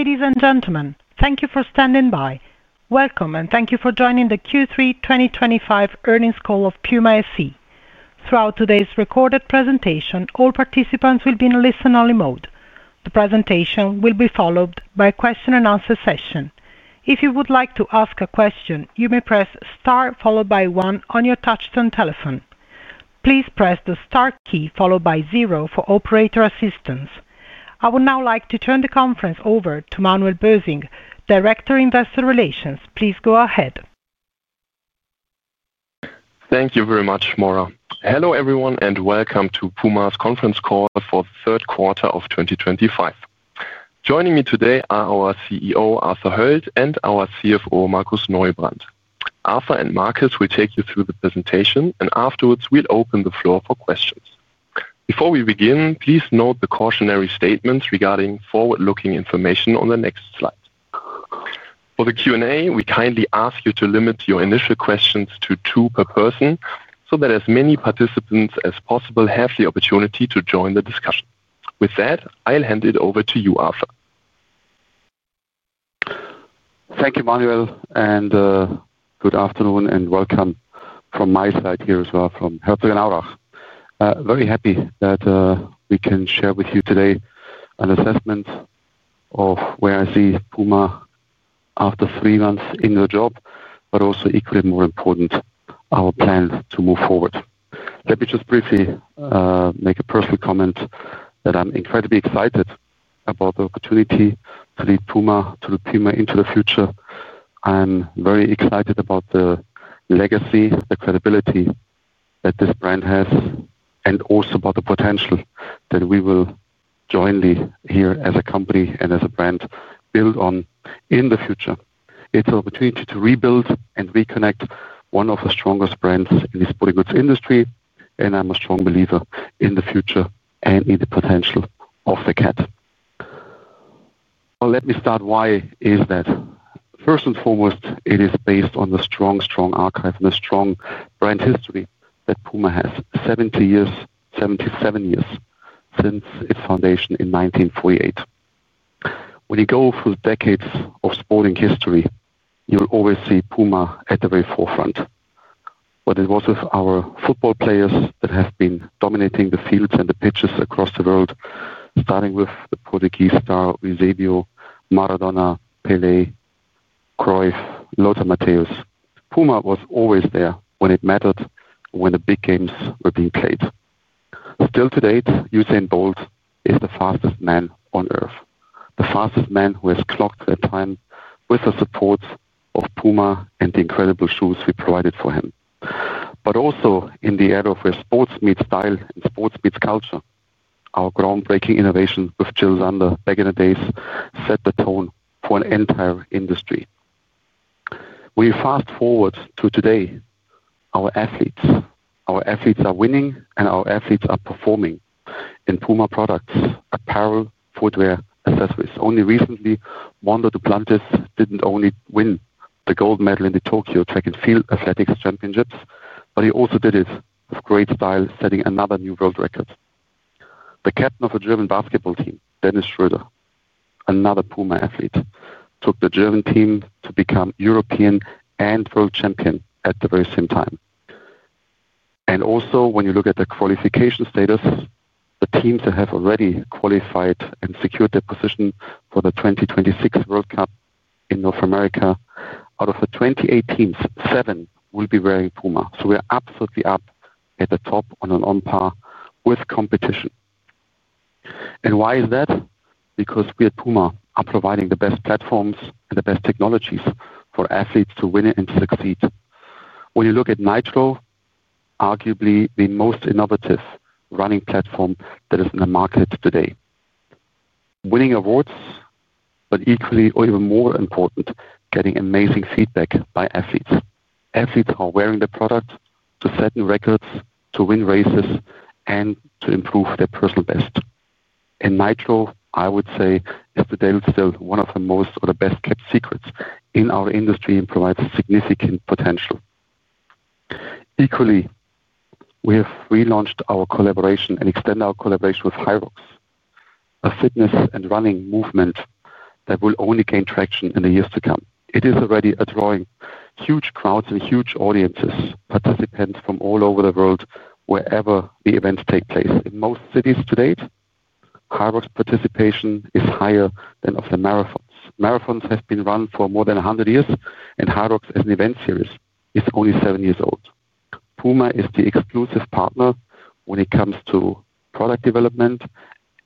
Ladies and gentlemen, thank you for standing by. Welcome and thank you for joining the Q3 2025 earnings call of PUMA SE. Throughout today's recorded presentation, all participants will be in listen-only mode. The presentation will be followed by a question-and-answer session. If you would like to ask a question, you may press star followed by one. On your touch-tone telephone, please press the star key followed by zero for operator assistance. I would now like to turn the conference over to Manuel Bösing, Director, Investor Relations. Please go ahead. Thank you very much, Maura. Hello everyone and welcome to PUMA's conference call for the third quarter of 2025. Joining me today are our CEO Arthur Hoeld and our CFO Markus Neubrand. Arthur and Markus will take you through the presentation and afterwards we'll open the floor for questions. Before we begin, please note the cautionary statements regarding forward-looking information on the next slide. For the Q&A, we kindly ask you to limit your initial questions to two per person so that as many participants as possible have the opportunity to join the discussion. With that, I'll hand it over to you, Arthur. Thank you, Manuel, and good afternoon and welcome from my side here as well from Herzogenaurach. Very happy that we can share with you today an assessment of where I see PUMA after three months in the job, but also equally more important, our plan to move forward. Let me just briefly make a personal comment that I'm incredibly excited about the opportunity to lead PUMA, to lead PUMA into the future. I'm very excited about the legacy, the credibility that this brand has and also about the potential that we will jointly here as a company and as a brand, build on in the future. It's an opportunity to rebuild and reconnect one of the strongest brands in the sporting goods industry. I'm a strong believer in the future and in the potential of the cat. Let me start. Why is that? First and foremost, it is based on the strong, strong archive and a strong brand history that PUMA has 77 years since its foundation in 1948. When you go through decades of sporting history, you will always see PUMA at the very forefront. It was with our football players that have been dominating the fields and the pitches across the world. Starting with the Portuguese star, Eusébio, Maradona, Pelé, Cruyff, Lothar Matthäus. PUMA was always there when it mattered, when the big games were being played. Still to date, Usain Bolt is the fastest man on earth. The fastest man who has clocked that time with the support of PUMA and the incredible shoes we provided for him. Also, in the era where sports meets style and sports meets culture, our groundbreaking innovation with Jil Sander back in the days set the tone for an entire industry. We fast forward to today. Our athletes are winning and our athletes are performing in PUMA products, apparel, footwear, accessories. Only recently, Armand Duplantis didn't only win the gold medal in the Tokyo Track and Field Athletics Championships, but he also did it with great style, setting another new world record. The captain of a German basketball team, Dennis Schroder, another PUMA athlete, took the German team to become European and world champion at the very same time. Also, when you look at the qualification status, the teams that have already qualified and secured their position for the 2026 World Cup in North America, out of the 28 teams, seven will be wearing PUMA. We are absolutely up at the top and on par with competition. Why is that? Because we at PUMA are providing the best platforms and the best technologies for athletes to win and succeed. When you look at NITRO, arguably the most innovative running platform that is in the market today, winning awards, but equally or even more important, getting amazing feedback by athletes. Athletes who are wearing the product to set new records, to win races and to improve their personal best in NITRO, I would say is still one of the most or the best kept secrets in our industry and provides significant potential. Equally, we have relaunched our collaboration and extended our collaboration with HYROX, a fitness and running movement that will only gain traction in the years to come. It is already drawing huge crowds and huge audiences, participants from all over the world wherever the events take place. In most cities to date, HYROX participation is higher than that of the marathons. Marathons have been run for more than 100 years and HYROX as an event series is only 7 years old. PUMA is the exclusive partner when it comes to product development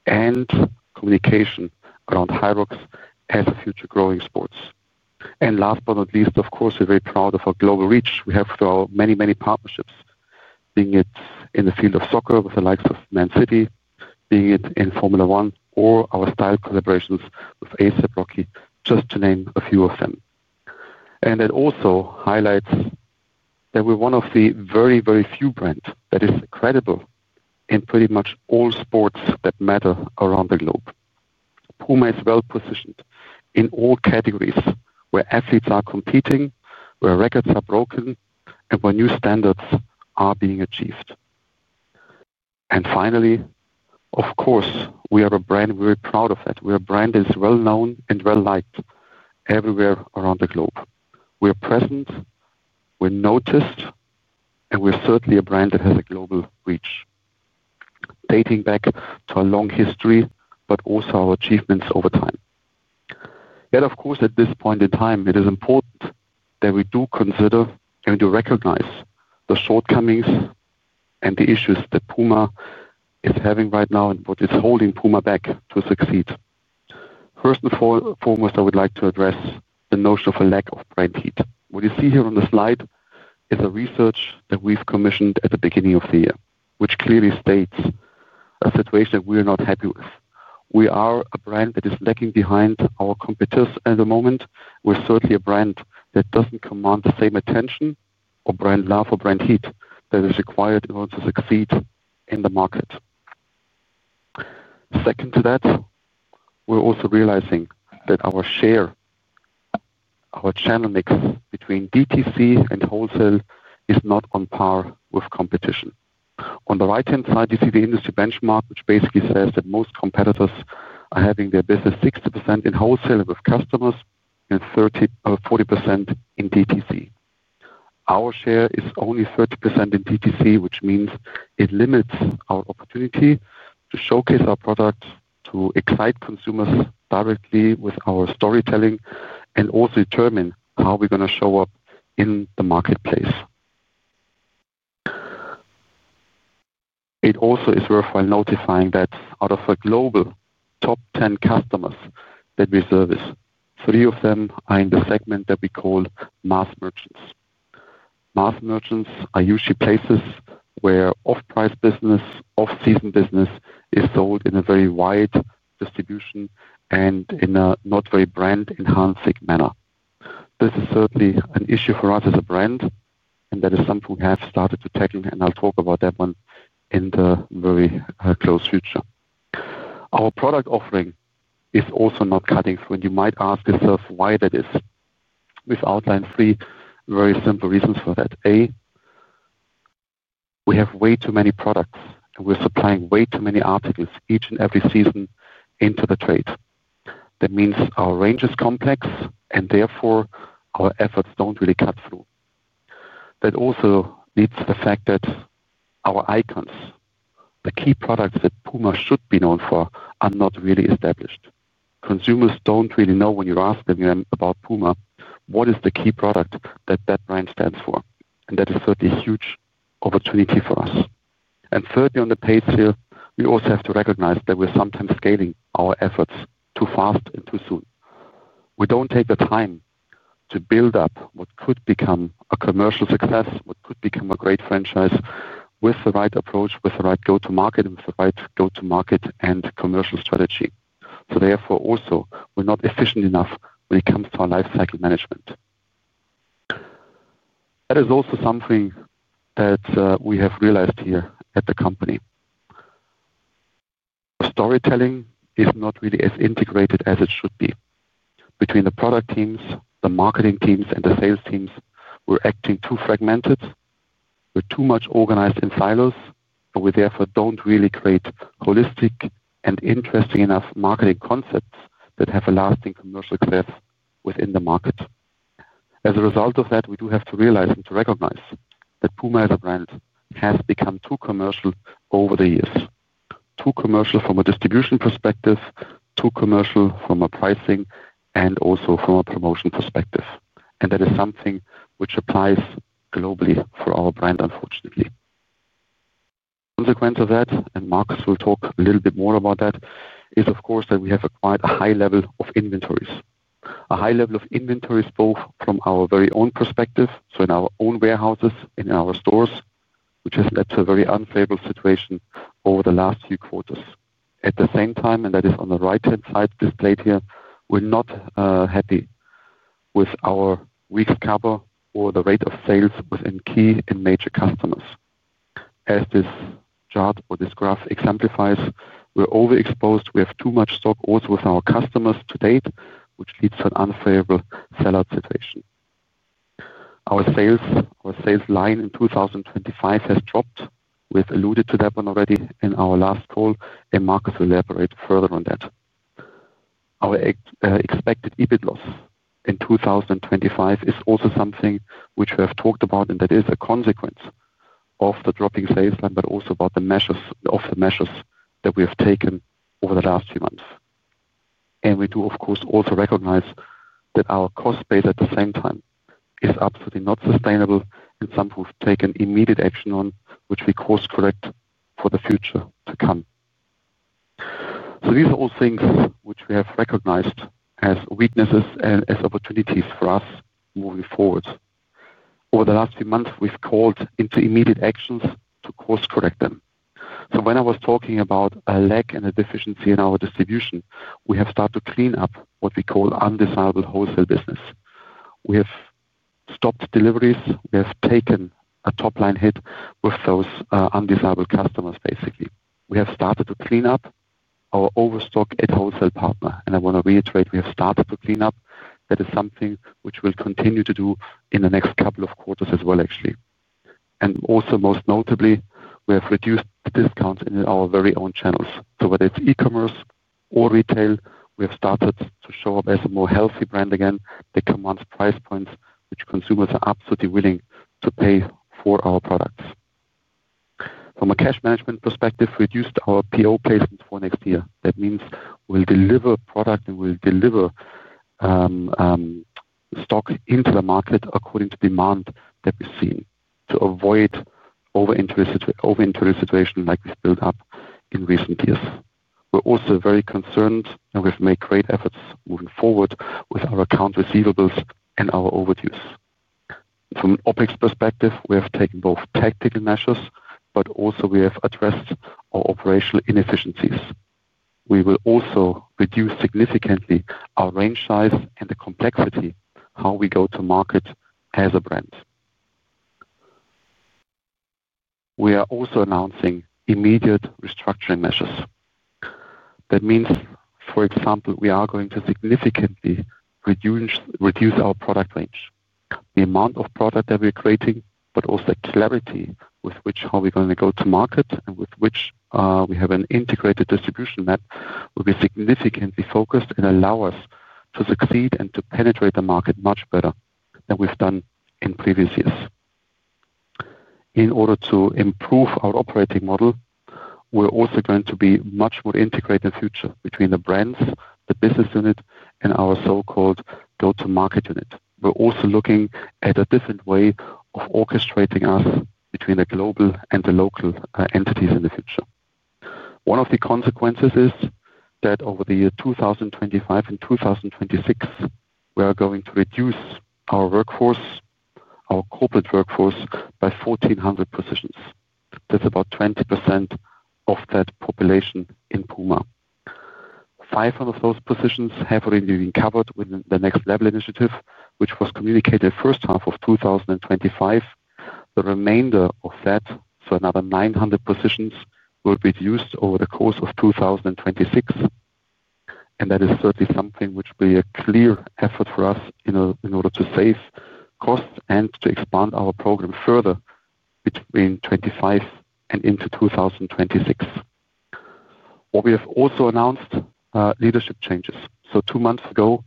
and communication around HYROX as a future growing sport. Last but not least, of course we're very proud of our global reach we have through our many, many partnerships, being it in the field of soccer with the likes of Man City, being it in Formula One or our style collaborations with A$AP Rocky, just to name a few of them. It also highlights that we're one of the very, very few brands that is credible in pretty much all sports that matter around the globe. PUMA is well positioned in all categories where athletes are competing, where records are broken and where new standards are being achieved. Finally, of course, we are a brand. We are proud of that. We are a brand that is well known and well liked everywhere around the globe. We are present, we're noticed, and we're certainly a brand that has a global reach dating back to our long history, but also our achievements over time. Yet of course at this point in time, it is important that we do consider and recognize the shortcomings and the issues that PUMA is having right now. What is holding PUMA back to succeed? First and foremost, I would like to address the notion of a lack of brand heat. What you see here on the slide is a research that we've commissioned at the beginning of the year, which clearly states a situation that we are not happy with. We are a brand that is lagging behind our competitors at the moment. We're certainly a brand that doesn't command the same attention or brand love or brand heat that is required in order to succeed in the market. Second to that, we're also realizing that our share, our channel mix between DTC and Wholesale, is not on par with competition. On the right hand side, you see the industry benchmark, which basically says that most competitors are having their business 60% in wholesale with customers and 40% in DTC. Our share is only 30% in DTC, which means it limits our opportunity to showcase our products, to excite consumers directly with our storytelling and also determine how we're going to show up in the marketplace. It also is worthwhile notifying that out of a global top 10 customers that we service, three of them are in the segment that we call mass merchants. Mass merchants are usually places where off price business, off season business is sold in a very wide distribution and in a not very brand enhancing manner. This is certainly an issue for us as a brand and that is something we have started to tackle and I'll talk about that one in the very close future. Our product offering is also not cutting through and you might ask yourself why that is. We outline three very simple reasons for that. A, we have way too many products and we're supplying way too many articles each and every season into the trade. That means our range is complex and therefore our efforts don't really cut through. That also leads to the fact that our icons, the key products that PUMA should be known for, are not really established. Consumers don't really know when you're asking them about PUMA, what is the key product that that brand stands for. That is certainly a huge opportunity for us. Thirdly, on the pace here, we also have to recognize that we're sometimes scaling our efforts too fast and too soon. We don't take the time to build up what could become a commercial success, what could become a great franchise with the right approach, with the right go-to-market and with the right go-to-market and commercial strategy. Therefore, we're not efficient enough when it comes to our life cycle management. That is also something that we have realized here at the company. Storytelling is not really as integrated as it should be between the product teams, the marketing teams, and the sales teams. We're acting too fragmented, we're too much organized in silos. We therefore don't really create holistic and interesting enough marketing concepts that have a lasting commercial impact within the market. As a result of that, we do have to realize and to recognize that PUMA as a brand has become too commercial over the years. Too commercial from a distribution perspective, too commercial from a pricing and also from a promotion perspective. That is something which applies globally for our brand. Unfortunately, the consequence of that, and Markus will talk a little bit more about that, is of course that we have acquired a high level of inventories. A high level of inventories, both from our very own perspective, so in our own warehouses, in our stores, which has led to a very unfavorable situation over the last few quarters at the same time. That is on the right-hand side displayed here. We're not happy with our weak cover or the rate of sales within key and major customers. As this chart or this graph exemplifies, we're overexposed. We have too much stock also with our customers to date, which leads to an unfavorable sellout situation. Our sales line in 2025 has dropped. We've alluded to that one already in our last call and Markus will elaborate further on that. Our expected EBIT loss in 2025 is also something which we have talked about and that is a consequence of the dropping sales line, but also about the measures that we have taken over the last few months. We do of course also recognize that our cost base at the same time is absolutely not sustainable. Some have taken immediate action on which we course correct for the future to come. These are all things which we have recognized as weaknesses and as opportunities for us moving forward. Over the last few months we've called into immediate actions to course correct them. When I was talking about a lack and a deficiency in our distribution, we have started to clean up what we call undesirable wholesale business. We have stopped deliveries, we have taken a top line hit with those undesirable customers. Basically, we have started to clean up our overstock at wholesale partner and I want to reiterate, we have started to clean up. That is something which we'll continue to do in the next couple of quarters as well actually. Also, most notably, we have reduced discounts in our very own channels. Whether it's e-commerce or retail, we have started to show up as a more healthy brand again that commands price points which consumers are absolutely willing to pay for our products. From a cash management perspective, we reduced our PO placement for next year. That means we'll deliver product and we'll deliver stocks into the market according to demand that we've seen to avoid over interest situation like we've built up in recent years. We're also very concerned and we've made great efforts moving forward with our account receivables and our overdues. From an OpEx perspective, we have taken both tactical measures, but also we have addressed our operational inefficiencies. We will also reduce significantly our range size and the complexity how we go-to-market as a brand. We are also announcing immediate restructuring measures. That means for example, we are going to significantly reduce our product range, the amount of product that we are creating, but also clarity with which how we are going to go-to-market and with which we have an integrated distribution map will be significantly focused and allow us to succeed and to penetrate the market much better than we've done in previous years. In order to improve our operating model, we're also going to be much more integrated in the future between the brands, the business unit and our so-called go-to-market unit. We're also looking at a different way of orchestrating us between the global and the local entities in the future. One of the consequences is that over the year 2025 and 2026 we are going to reduce our workforce, our corporate workforce by 1,400 positions. That's about 20% of that population. In PUMA, 500 of those positions have already been covered within the Next Level initiative which was communicated first half of 2025. The remainder of that, so another 900 positions, will be used over the course of 2026. That is certainly something which will be a clear effort for us in order to save costs and to expand our program further between 2025 and into 2026. We have also announced leadership changes. Two months ago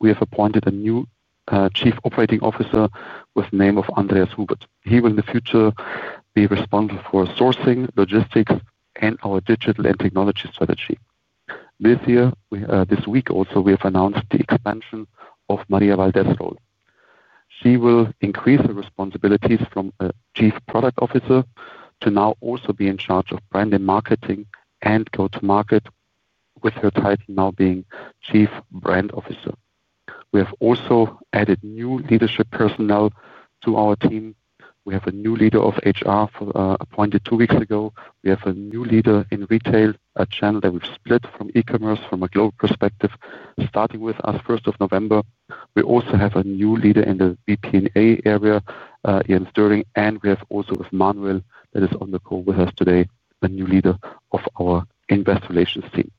we have appointed a new Chief Operating Officer with the name of Andreas Hubert. He will in the future be responsible for sourcing, logistics, and our digital and technology strategy this year. This week also we have announced the expansion of Maria Valdes' role. She will increase her responsibilities from Chief Product Officer to now also be in charge of brand and marketing and go-to-market, with her title now being Chief Brand Officer. We have also added new leadership personnel to our team. We have a new leader of HR appointed two weeks ago. We have a new leader in retail, a channel that we've split from e-commerce from a global perspective starting with us 1st of November. We also have a new leader in the VPNA area, and we have also with Manuel that is on the call with us today, the new leader of our investor relations team.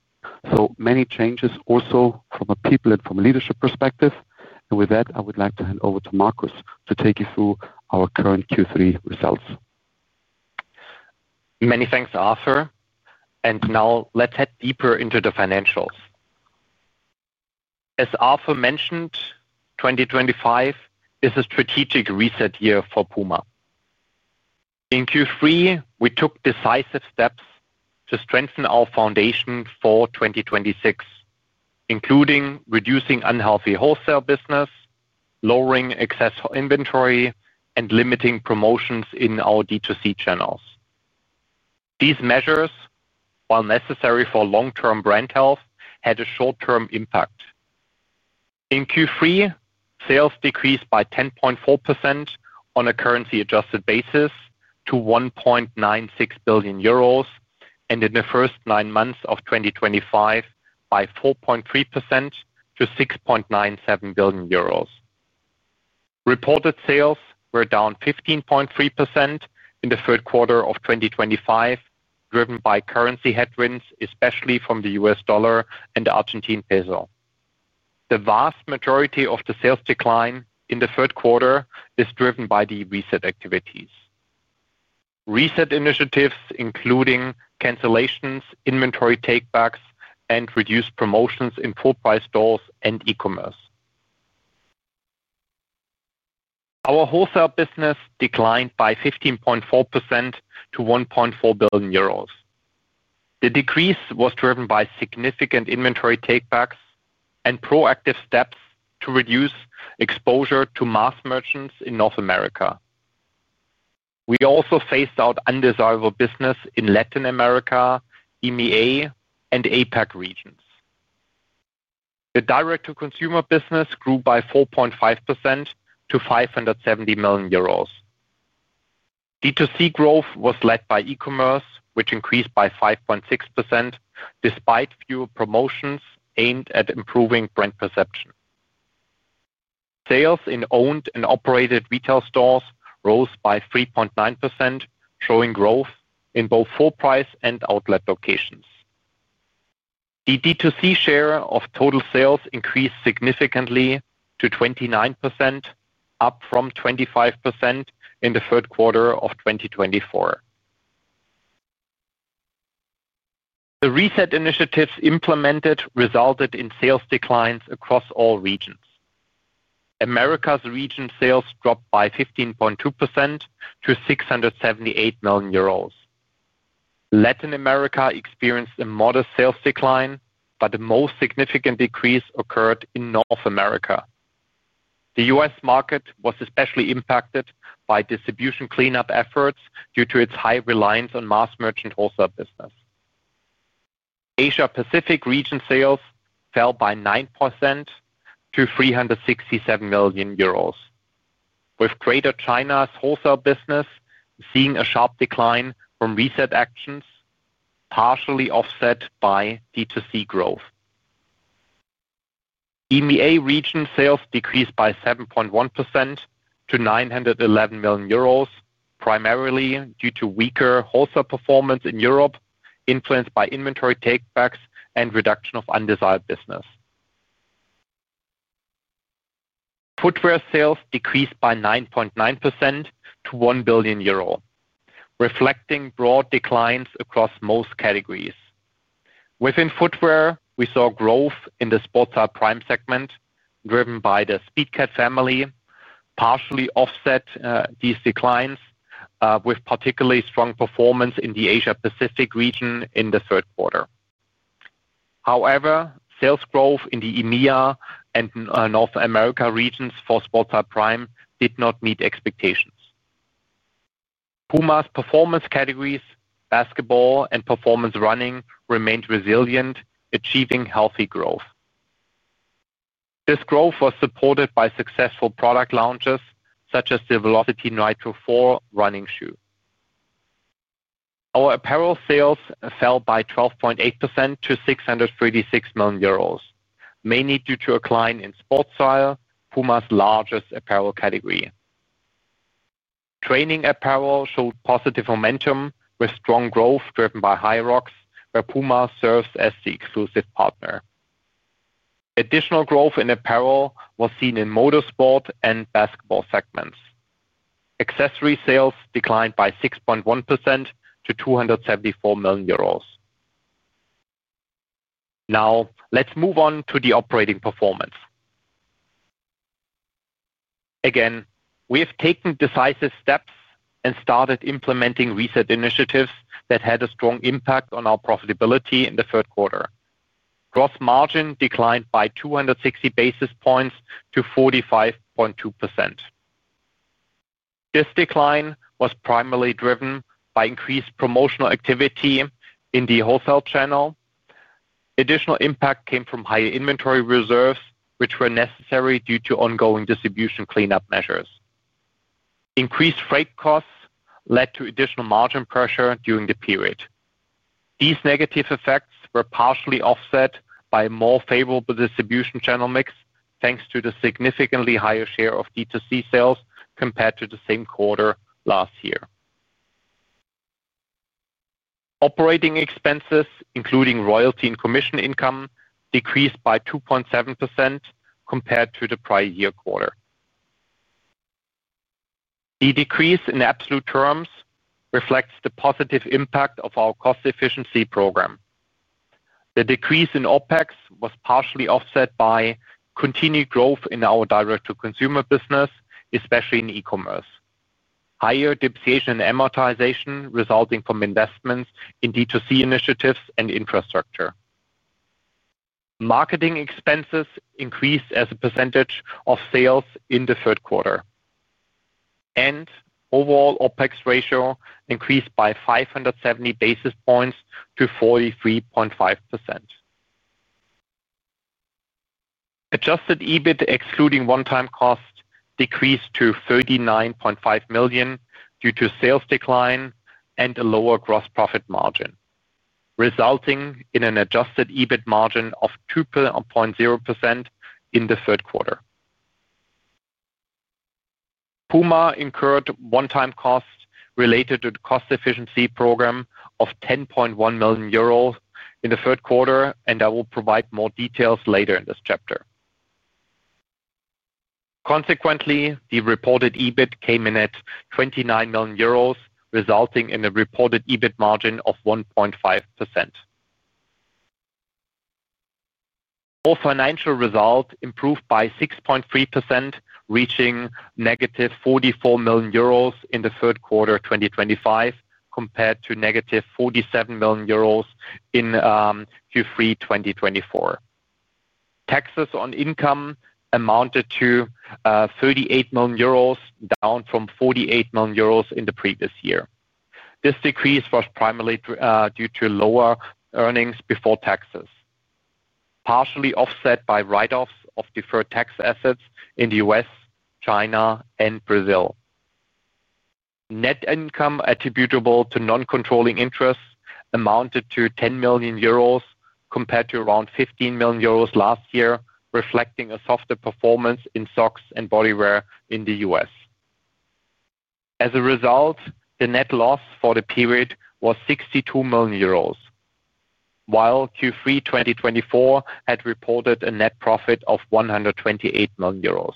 Many changes also from a people and from a leadership perspective. With that I would like to hand over to Markus to take you through our current Q3 results. Many thanks Arthur and now let's head deeper into the financials. As Arthur mentioned, 2025 is a strategic reset year for PUMA. In Q3 we took decisive steps to strengthen our foundation for 2026, including reducing unhealthy wholesale business, lowering excess inventory, and limiting promotions in our DTC channels. These measures, while necessary for long-term brand health, had a short-term impact. In Q3, sales decreased by 10.4% on a currency adjusted basis to 1.96 billion euros, and in the first nine months of 2025 by 4.3% to 6.97 billion euros. Reported sales were down 15.3% in the third quarter of 2025, driven by currency headwinds, especially from the U.S. dollar and the Argentine peso. The vast majority of the sales decline in the third quarter is driven by the reset activities. Reset initiatives included cancellations, inventory takebacks, and reduced promotions in full price stores and e-commerce. Our wholesale business declined by 15.4% to 1.4 billion euros. The decrease was driven by significant inventory takebacks and proactive steps to reduce exposure to mass merchant wholesale channels in North America. We also phased out undesirable business in Latin America, EMEA, and APAC regions. The direct-to-consumer business grew by 4.5% to 570 million euros. DTC growth was led by e-commerce, which increased by 5.6% despite fewer promotions aimed at improving brand perception. Sales in owned and operated retail stores rose by 3.9%, showing growth in both full price and outlet locations. The DTC share of total sales increased significantly to 29%, up from 25% in the third quarter of 2024. The reset initiatives implemented resulted in sales declines across all regions. Americas region sales dropped by 15.2% to 678 million euros. Latin America experienced a modest sales decline, but the most significant decrease occurred in North America. The U.S. market was especially impacted by distribution cleanup efforts due to its high reliance on mass merchant wholesale business. Asia Pacific region sales fell by 9% to 367 million euros, with Greater China's wholesale business seeing a sharp decline from reset actions, partially offset by DTC growth. EMEA region sales decreased by 7.1% to 911 million euros, primarily due to weaker wholesale performance. In Europe, influenced by inventory takebacks and reduction of undesired business, footwear sales decreased by 9.9% to 1 billion euro, reflecting broad declines across most categories. Within footwear, we saw growth in the Sportstyle Prime segment driven by the Speedcat family, which partially offset these declines with particularly strong performance in the Asia Pacific region. In the third quarter, however, sales growth in the EMEA and North America regions for Sportstyle Prime did not meet expectations. PUMA's performance categories basketball and performance running remained resilient, achieving healthy growth. This growth was supported by successful product launches such as the Velocity NITRO 4 running shoe. Our apparel sales fell by 12.8% to 636 million euros, mainly due to a decline in sportstyle. PUMA's largest apparel category, Training apparel, showed positive momentum with strong growth driven by the HYROX, where PUMA serves as the exclusive partner. Additional growth in apparel was seen in motorsport and basketball segments. Accessories sales declined by 6.1% to 274 million euros. Now let's move on to the operating performance again. We have taken decisive steps and started implementing reset initiatives that had a strong impact on our profitability. In the third quarter, gross margin declined by 260 basis points to 45.2%. This decline was primarily driven by increased promotional activity in the wholesale channel. Additional impact came from higher inventory reserves, which were necessary due to ongoing distribution cleanup measures. Increased freight costs led to additional margin pressure during the period. These negative effects were partially offset by a more favorable distribution channel mix thanks to the significantly higher share of DTC sales compared to the same quarter last year. Operating expenses, including royalty and commission income, decreased by 2.7% compared to the prior year quarter. The decrease in absolute terms reflects the positive impact of our cost efficiency program. The decrease in OpEx was partially offset by continued growth in our direct-to-consumer business, especially in e-commerce. Higher depreciation and amortization resulting from investments in DTC initiatives and infrastructure. Marketing expenses increased as a percentage of sales in the third quarter, and overall OpEx ratio increased by 570 basis points to 43.5%. Adjusted EBIT excluding one-time costs decreased to 39.5 million due to sales decline and a lower gross profit margin, resulting in an adjusted EBIT margin of 2.0% in the third quarter. PUMA incurred one-time costs related to the cost efficiency program of 10.1 million euros in the third quarter, and I will provide more details later in this chapter. Consequently, the reported EBIT came in at 29 million euros, resulting in a reported EBIT margin of 1.5%. Our financial result improved by 6.3%, reaching -44 million euros in the third quarter 2025 compared to -47 million euros in Q3 2024. Taxes on income amounted to 38 million euros, down from 48 million euros in the previous year. This decrease was primarily due to lower earnings before taxes, partially offset by write-offs of deferred tax assets in the U.S., China, and Brazil, net income attributable to non-controlling interest amounted to 10 million euros compared to around 15 million euros last year, reflecting a softer performance in socks and body wear in the U.S. As a result, the net loss for the period was 62 million euros, while Q3 2024 had reported a net profit of 128 million euros.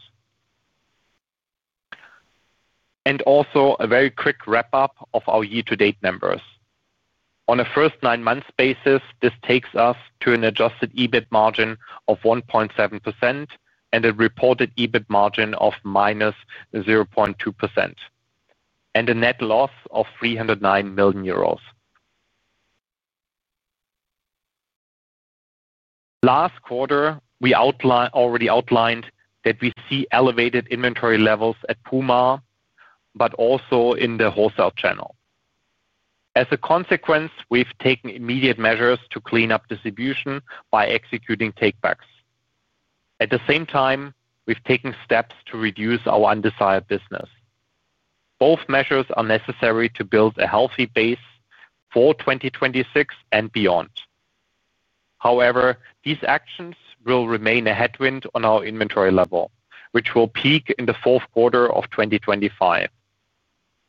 Also, a very quick wrap-up of our year-to-date numbers on a first nine months basis. This takes us to an adjusted EBIT margin of 1.7% and a reported EBIT margin of -0.2% and a net loss of 309 million euros. Last quarter, we already outlined that we see elevated inventory levels at PUMA but also in the wholesale channel. As a consequence, we've taken immediate measures to clean up distribution by executing takebacks. At the same time, we've taken steps to reduce our undesired business. Both measures are necessary to build a healthy base for 2026 and beyond. However, these actions will remain a headwind on our inventory level, which will peak in the fourth quarter of 2025.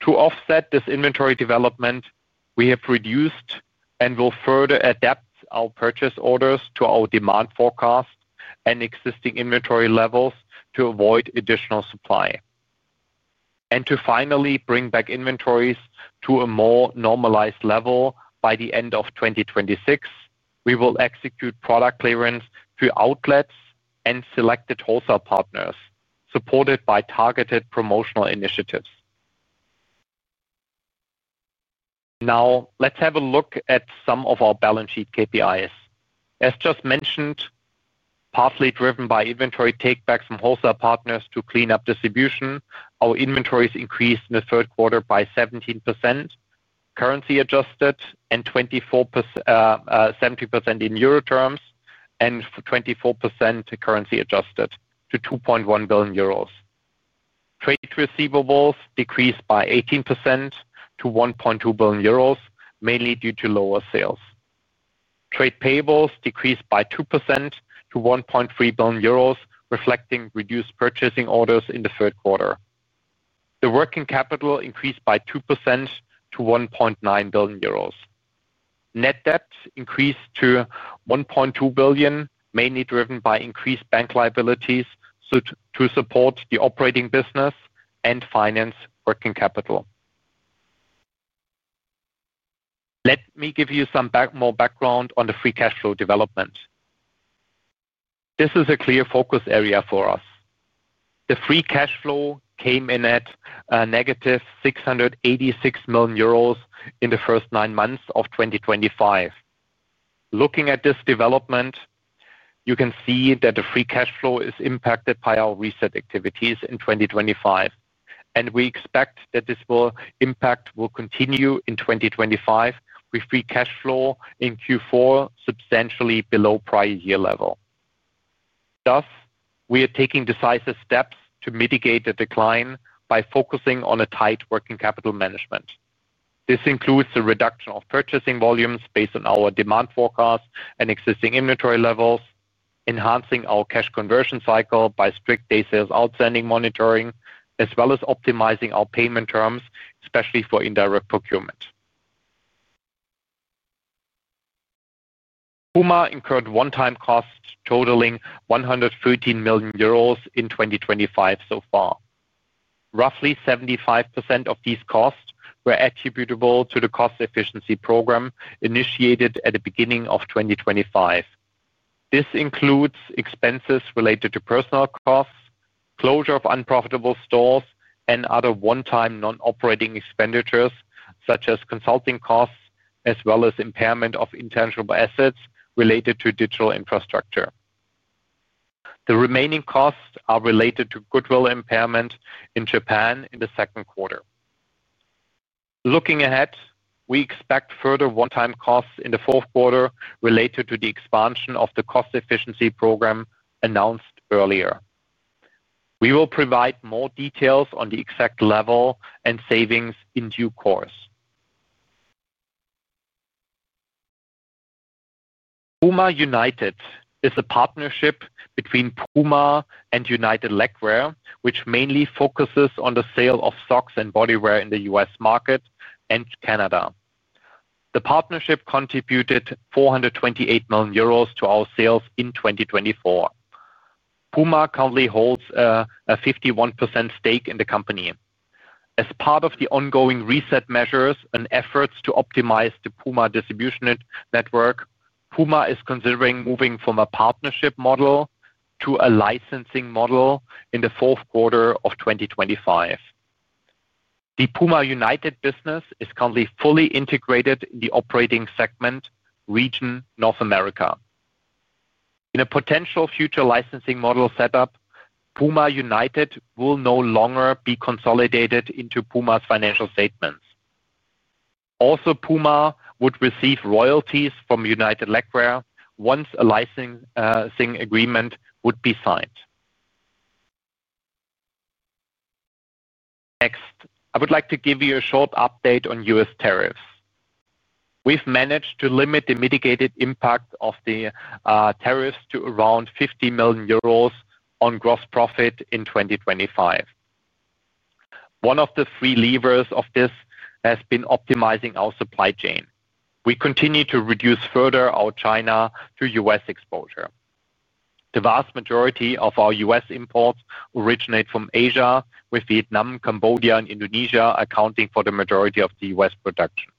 To offset this inventory development, we have reduced and will further adapt our purchase orders to our demand forecast and existing inventory levels to avoid additional supply and to finally bring back inventories to a more normalized level. By the end of 2026, we will execute product clearance through outlets and selected wholesale partners, supported by targeted promotional initiatives. Now let's have a look at some of our balance sheet KPIs. As just mentioned, partly driven by inventory takeback from wholesale partners to clean up distribution, our inventories increased in the third quarter by 17% currency adjusted and 70% in euro terms and 24% currency adjusted to 2.1 billion euros. Trade receivables decreased by 18% to 1.2 billion euros, mainly due to lower sales. Trade payables decreased by 2% to 1.3 billion euros, reflecting reduced purchasing orders in the third quarter, the working capital increased by 2% to 1.9 billion euros. Net debt increased to 1.2 billion, mainly driven by increased bank liabilities to support the operating business and finance working capital. Let me give you some more background on the free cash flow development. This is a clear focus area for us. The free cash flow came in at -686 million euros in the first nine months of 2025. Looking at this development, you can see that the free cash flow is impacted by our reset activities in 2025 and we expect that this impact will continue in 2025 with free cash flow in Q4 substantially below prior year level. Thus, we are taking decisive steps to mitigate the decline by focusing on a tight working capital management. This includes the reduction of purchasing volumes based on our demand forecast and existing inventory levels, enhancing our cash conversion cycle by strict day sales outstanding monitoring as well as optimizing our payment terms, especially for indirect procurement. PUMA incurred one-time costs totaling 113 million euros in 2025. So far, roughly 75% of these costs were attributable to the Cost Efficiency Program initiated at the beginning of 2025. This includes expenses related to personnel costs, closure of unprofitable stores, and other one-time non-operating expenditures such as consulting costs as well as impairment of intangible assets related to digital infrastructure. The remaining costs are related to goodwill impairment in Japan in the second quarter. Looking ahead, we expect further one-time costs in the fourth quarter related to the expansion of the Cost Efficiency Program announced earlier. We will provide more details on the exact level and savings in due course. PUMA United is a partnership between PUMA and United Legwear, which mainly focuses on the sale of socks and body wear in the U.S. market and Canada. The partnership contributed 428 million euros to our sales in 2024. PUMA currently holds a 51% stake in the company as part of the ongoing reset measures and efforts to optimize the PUMA distribution network. PUMA is considering moving from a partnership model to a licensing model in the fourth quarter of 2025. The PUMA United business is currently fully integrated in the operating segment region North America. In a potential future licensing model setup, PUMA United will no longer be consolidated into PUMA's financial statements. Also, PUMA would receive royalties from United Legwear once a licensing agreement would be signed. Next, I would like to give you a short update on U.S. tariffs. We've managed to limit the mitigated impact of the tariffs to around 50 million euros on gross profit in 2025. One of the three levers of this has been optimizing our supply chain. We continue to reduce further our China to U.S. exposure. The vast majority of our U.S. imports originate from Asia, with Vietnam, Cambodia, and Indonesia accounting for the majority of the U.S. production.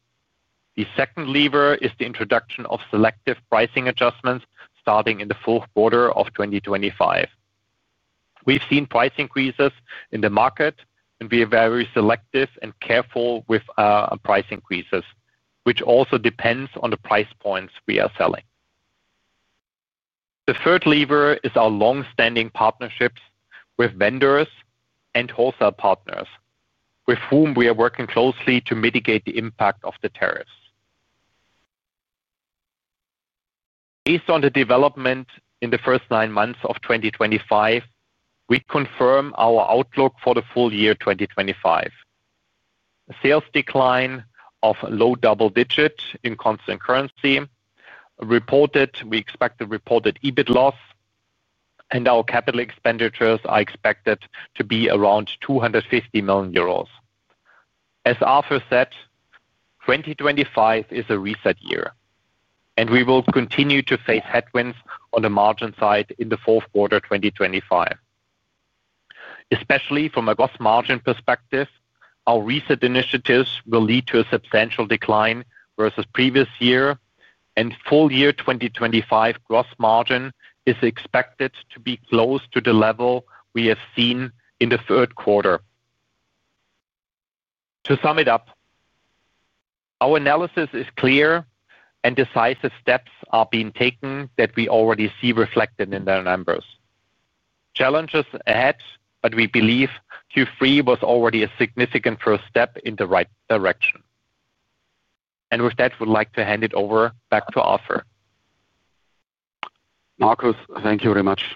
The second lever is the introduction of selective pricing adjustments starting in the fourth quarter of 2025. We've seen price increases in the market and we are very selective and careful with price increases, which also depends on the price points we are selling. The third lever is our long-standing partnerships with vendors and wholesale partners with whom we are working closely to mitigate the impact of the tariffs. Based on the development in the first nine months of 2025, we confirm our outlook for the full year 2025 sales decline of low double digit in constant currency reported. We expect the reported EBIT loss and our capital expenditures are expected to be around 250 million euros. As Arthur said, 2025 is a reset year and we will continue to face headwinds on the margin side in the fourth quarter 2025, especially from a gross margin perspective. Our recent initiatives will lead to a substantial decline versus previous year and full year 2025 gross margin is expected to be close to the level we have seen in the third quarter. To sum it up, our analysis is clear and decisive steps are being taken that we already see reflected in the numbers. Challenges ahead, but we believe Q3 was already a significant first step in the right direction and with that we'd like to hand it over back to Arthur. Markus, thank you very much.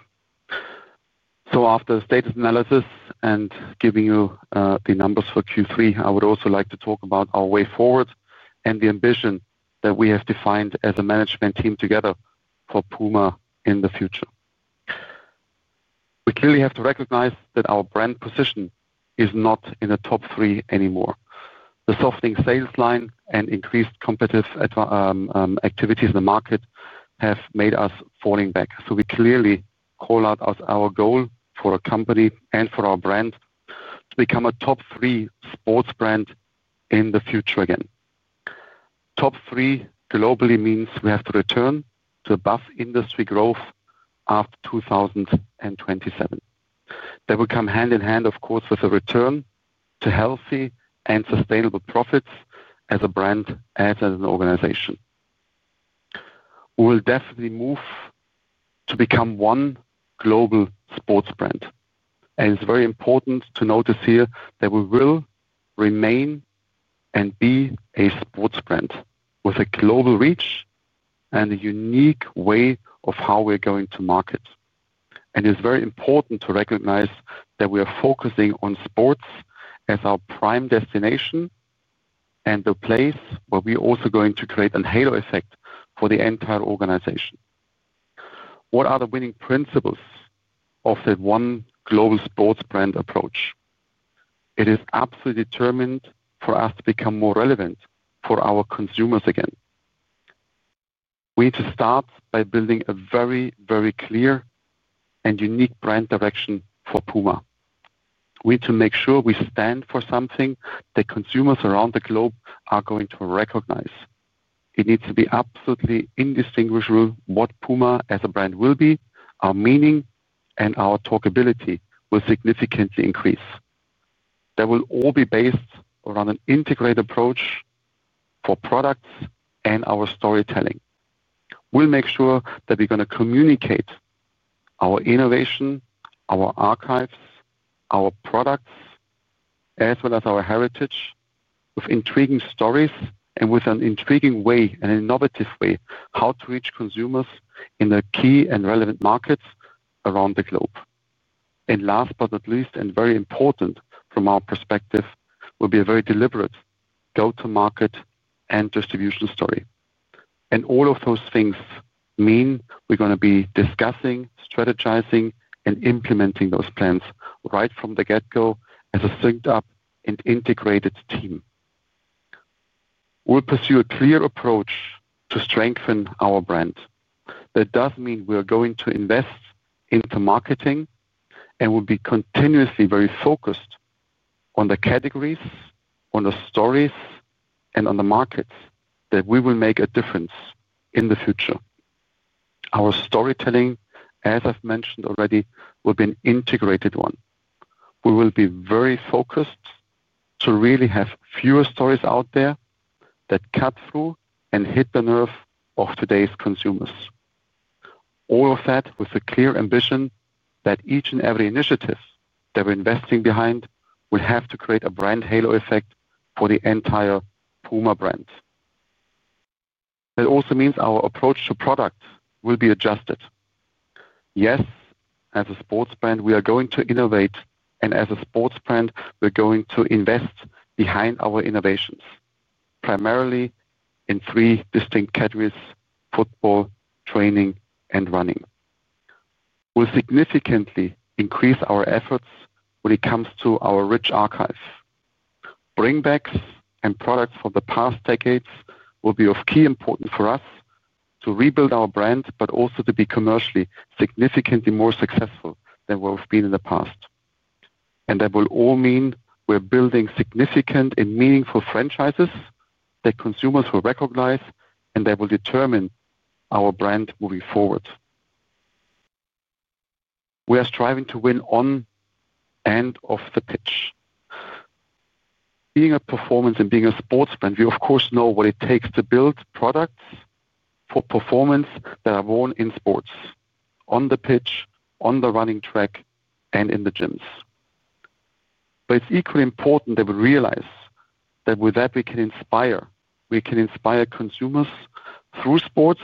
After status analysis and giving you the numbers for Q3, I would also like to talk about our way forward and the ambition that we have defined as a management team together for PUMA in the future. We clearly have to recognize that our brand position is not in the top three anymore. The softening sales line and increased competitive activities in the market have made us fall back. We clearly call out as our goal for a company and for our brand to become a top three sports brand in the future. Again, top three globally means we have to return to above industry growth after 2027. That will come hand-in-hand, of course, with a return to healthy and sustainable profits. As a brand, as an organization, we will definitely move to become one global sports brand. It is very important to notice here that we will remain and be a sports brand with a global reach and a unique way of how we're going to market. It is very important to recognize that we are focusing on sports as our prime destination and the place where we are also going to create a halo effect for the entire organization. What are the winning principles of that one global sports brand approach? It is absolutely determined for us to become more relevant for our consumers. We need to start by building a very, very clear and unique brand direction for PUMA. We need to make sure we stand for something that consumers around the globe are going to recognize. It needs to be absolutely indistinguishable. What PUMA as a brand will be, our meaning and our talkability will significantly increase. That will all be based around an integrated approach for products and our storytelling. We'll make sure that we're going to communicate our innovation, our archives, our products, as well as our heritage with intriguing stories and with an intriguing way, an innovative way, how to reach consumers in the key and relevant markets around the globe. Last but not least, and very important from our perspective, will be a very deliberate go-to-market and distribution story. All of those things mean we are going to be discussing, strategizing, and implementing those plans right from the get-go. As a synced up and integrated team, we'll pursue a clear approach to strengthen our brand. That does mean we are going to invest into marketing and will be continuously very focused on the categories, on the stories, and on the markets that we will make a difference in the future. Our storytelling, as I've mentioned already, will be an integrated one. We will be very focused to really have fewer stories out there that cut through and hit the nerve of today's consumers. All of that with a clear ambition that each and every initiative that we're investing behind will have to create a brand halo effect for the entire PUMA brand. That also means our approach to product will be adjusted. Yes, as a sports brand we are going to innovate. As a sports brand, we're going to invest behind our innovations primarily in three distinct categories. Football, training, and running will significantly increase our efforts when it comes to our rich archive. Bring backs and products from the past decades will be of key importance for us to rebuild our brand, but also to be commercially significantly more successful than what we've been in the past. That will all mean we're building significant and meaningful franchises that consumers will recognize and they will determine our brand moving forward. We are striving to win on and off the pitch, being a performance and being a sports brand. We of course know what it takes to build products for performance that are worn in sports, on the pitch, on the running track, and in the gyms. It's equally important that we realize that with that we can inspire, we can inspire consumers through sports.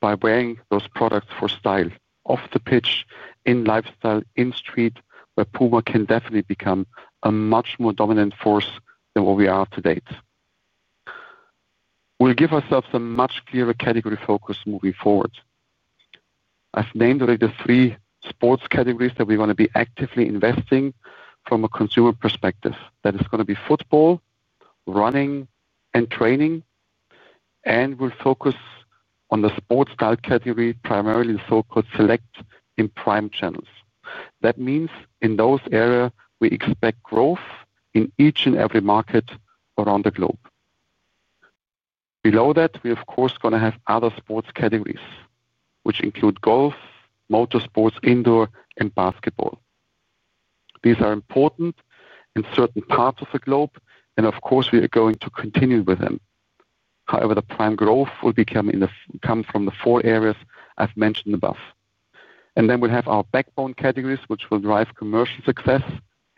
By wearing those products for style, off the pitch, in lifestyle, in street, where PUMA can definitely become a much more dominant force than what we are to date, we'll give ourselves a much clearer category focus moving forward. I've named already the three sports categories that we want to be actively investing from a consumer perspective. That is going to be football, running, and training. We focus on the sports style category primarily so-called select in prime channels. That means in those areas we expect growth in each and every market around the globe. Below that we of course are going to have other sports categories which include golf, motorsports, indoor, and basketball. These are important in certain parts of the globe and of course we are going to continue with them. However, the prime growth will come from the four areas I've mentioned above. We have our backbone categories which will drive commercial success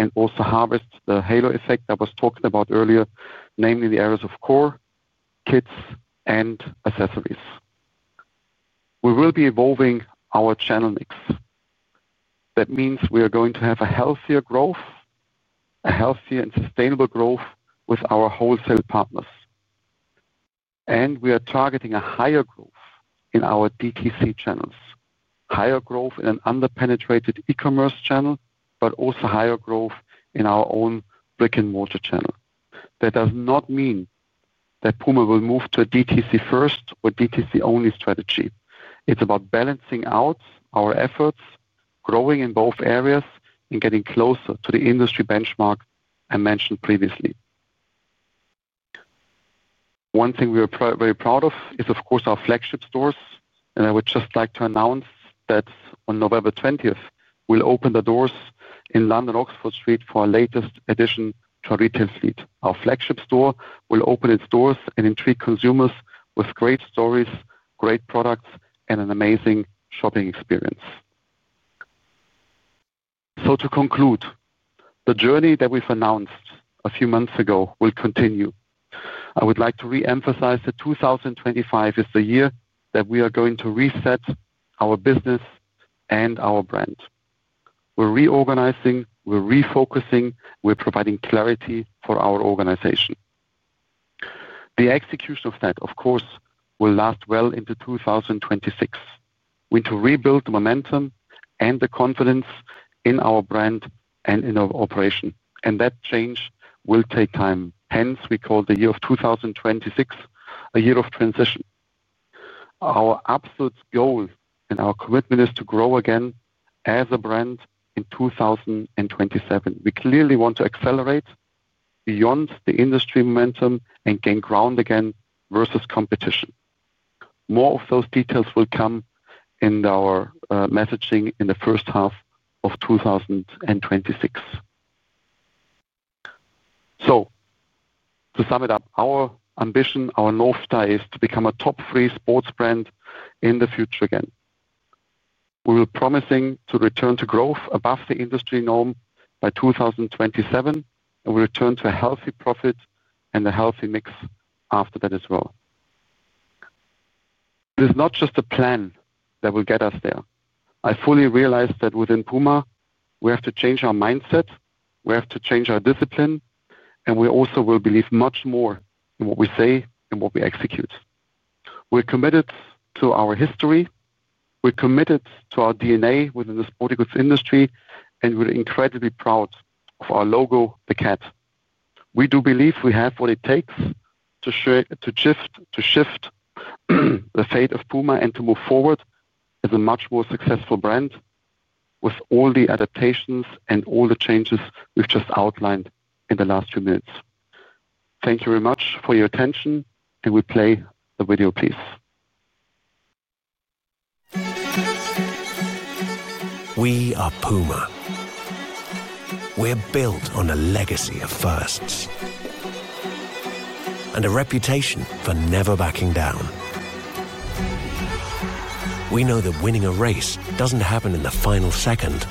and also harvest the halo effect I was talking about earlier, namely the areas of core kits and accessories. We will be evolving our channel mix. That means we are going to have a healthier growth, a healthier and sustainable growth with our wholesale partners, and we are targeting a higher growth in our DTC channels, higher growth in an underpenetrated e-commerce channel, but also higher growth in our own brick and mortar channel. That does not mean that PUMA will move to a DTC-first or DTC-only strategy. It's about balancing out our efforts, growing in both areas, and getting closer to the industry benchmark I mentioned previously. One thing we are very proud of is, of course, our flagship stores. I would just like to announce that on November 20th, we'll open the doors in London, Oxford Street, for our latest addition to our retail fleet. Our flagship store will open its doors and intrigue consumers with great stories, great products, and an amazing shopping experience. To conclude, the journey that we've announced a few months ago will continue. I would like to re-emphasize that 2025 is the year that we are going to reset our business and our brand. We're reorganizing, we're refocusing, we're providing clarity for our organization. The execution of that, of course, will last well into 2026. We need to rebuild the momentum and the confidence in our brand and in our operation. That change will take time. Hence, we call the year of 2026 a year of transition. Our absolute goal and our commitment is to grow again as a brand in 2027. We clearly want to accelerate beyond the industry momentum and gain ground again versus competition. More of those details will come in our messaging in the first half of 2026. To sum it up, our ambition, our North Star, is to become a top three sports brand in the future. Again, we are promising to return to growth above the industry norm by 2027, and we return to a healthy profit and a healthy mix after that as well. It is not just a plan that will get us there. I fully realize that within PUMA, we have to change our mindset. We have to change our discipline, and we also will believe much more in what we say and what we execute. We're committed to our history. We're committed to our DNA within the sporting goods industry, and we're incredibly proud of our logo, the Cat. We do believe we have what it takes to shift the fate of PUMA and to move forward as a much more successful brand with all the adaptations and all the changes we've just outlined in the last few minutes. Thank you very much for your attention. We play the video, please. We are PUMA. We're built on a legacy of firsts and a reputation for never backing down. We know that winning a race doesn't happen in the final second.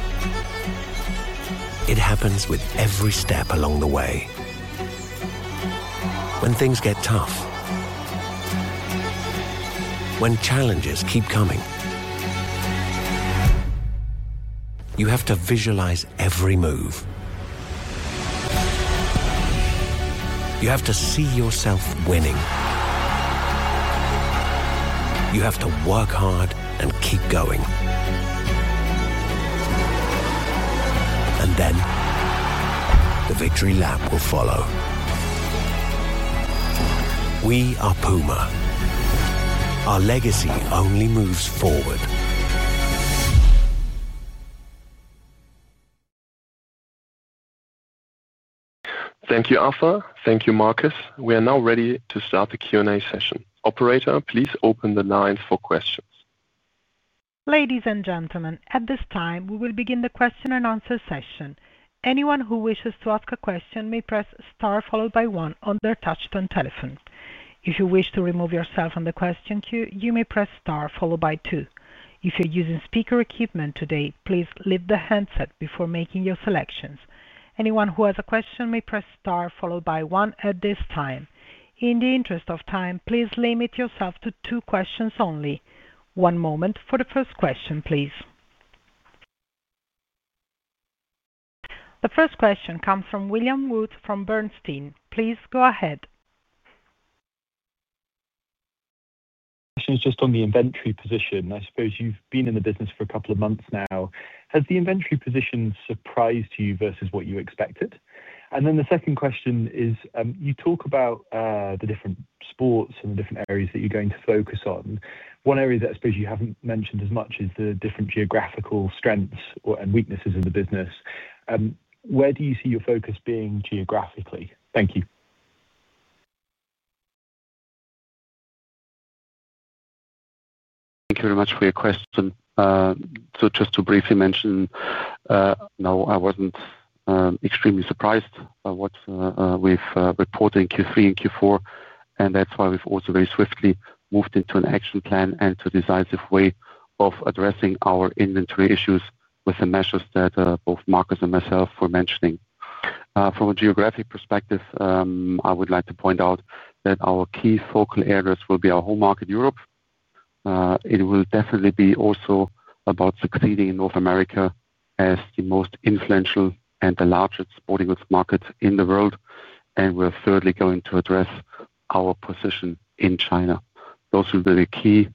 It happens with every step along the way. When things get tough, when challenges keep coming, you have to visualize every move. You have to see yourself winning. You have to work hard and keep going. The victory lap will follow. We are PUMA. Our legacy only moves forward. Thank you, Arthur. Thank you, Markus. We are now ready to start the Q&A session. Operator, please open the lines for questions. Ladies and gentlemen, at this time, we will begin the question-and-answer session. Anyone who wishes to ask a question may press star followed by one on their touchtone telephone. If you wish to remove yourself from the question queue, you may press star followed by two. If you are using speaker equipment today, please lift the handset before making your selections. Anyone who has a question may press star followed by one at this time. In the interest of time, please limit yourself to two questions only. One moment for the first question, please. The first question comes from William Wood from Bernstein. Please go ahead. Just on the inventory position, I suppose you've been in the business for a couple of months now, has the inventory position surprised you versus what you expected? The second question is you talk about the different sports and the different areas that you're going to focus on. One area that I suppose you haven't mentioned as much is the different geographical strengths and weaknesses of the business. Where do you see your focus being geographically? Thank you. Thank you very much for your question. Just to briefly mention, no, I wasn't extremely surprised by what we've reported in Q3 and Q4. That's why we've also very swiftly moved into an action plan and to a decisive way of addressing our inventory issues with the measures that both Markus and myself were mentioning. From a geographic perspective, I would like to point out that our key focal areas will be our home market, Europe. It will definitely be also about succeeding in North America as the most influential and the largest sporting goods market in the world. We're thirdly going to address our position in China. Those will be the key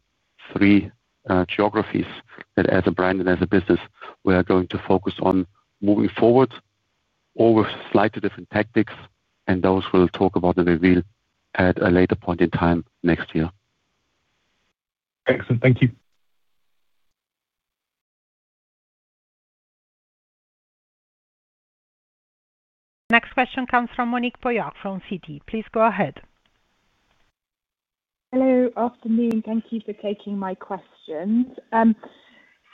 three geographies that as a brand and as a business, we are going to focus on moving forward with slightly different tactics. Those we'll talk about in Reveal at a later point in time next year. Excellent. Thank you. Next question comes from Monique Pollard from Citi. Please go ahead. Hello. Afternoon. Thank you for taking my questions.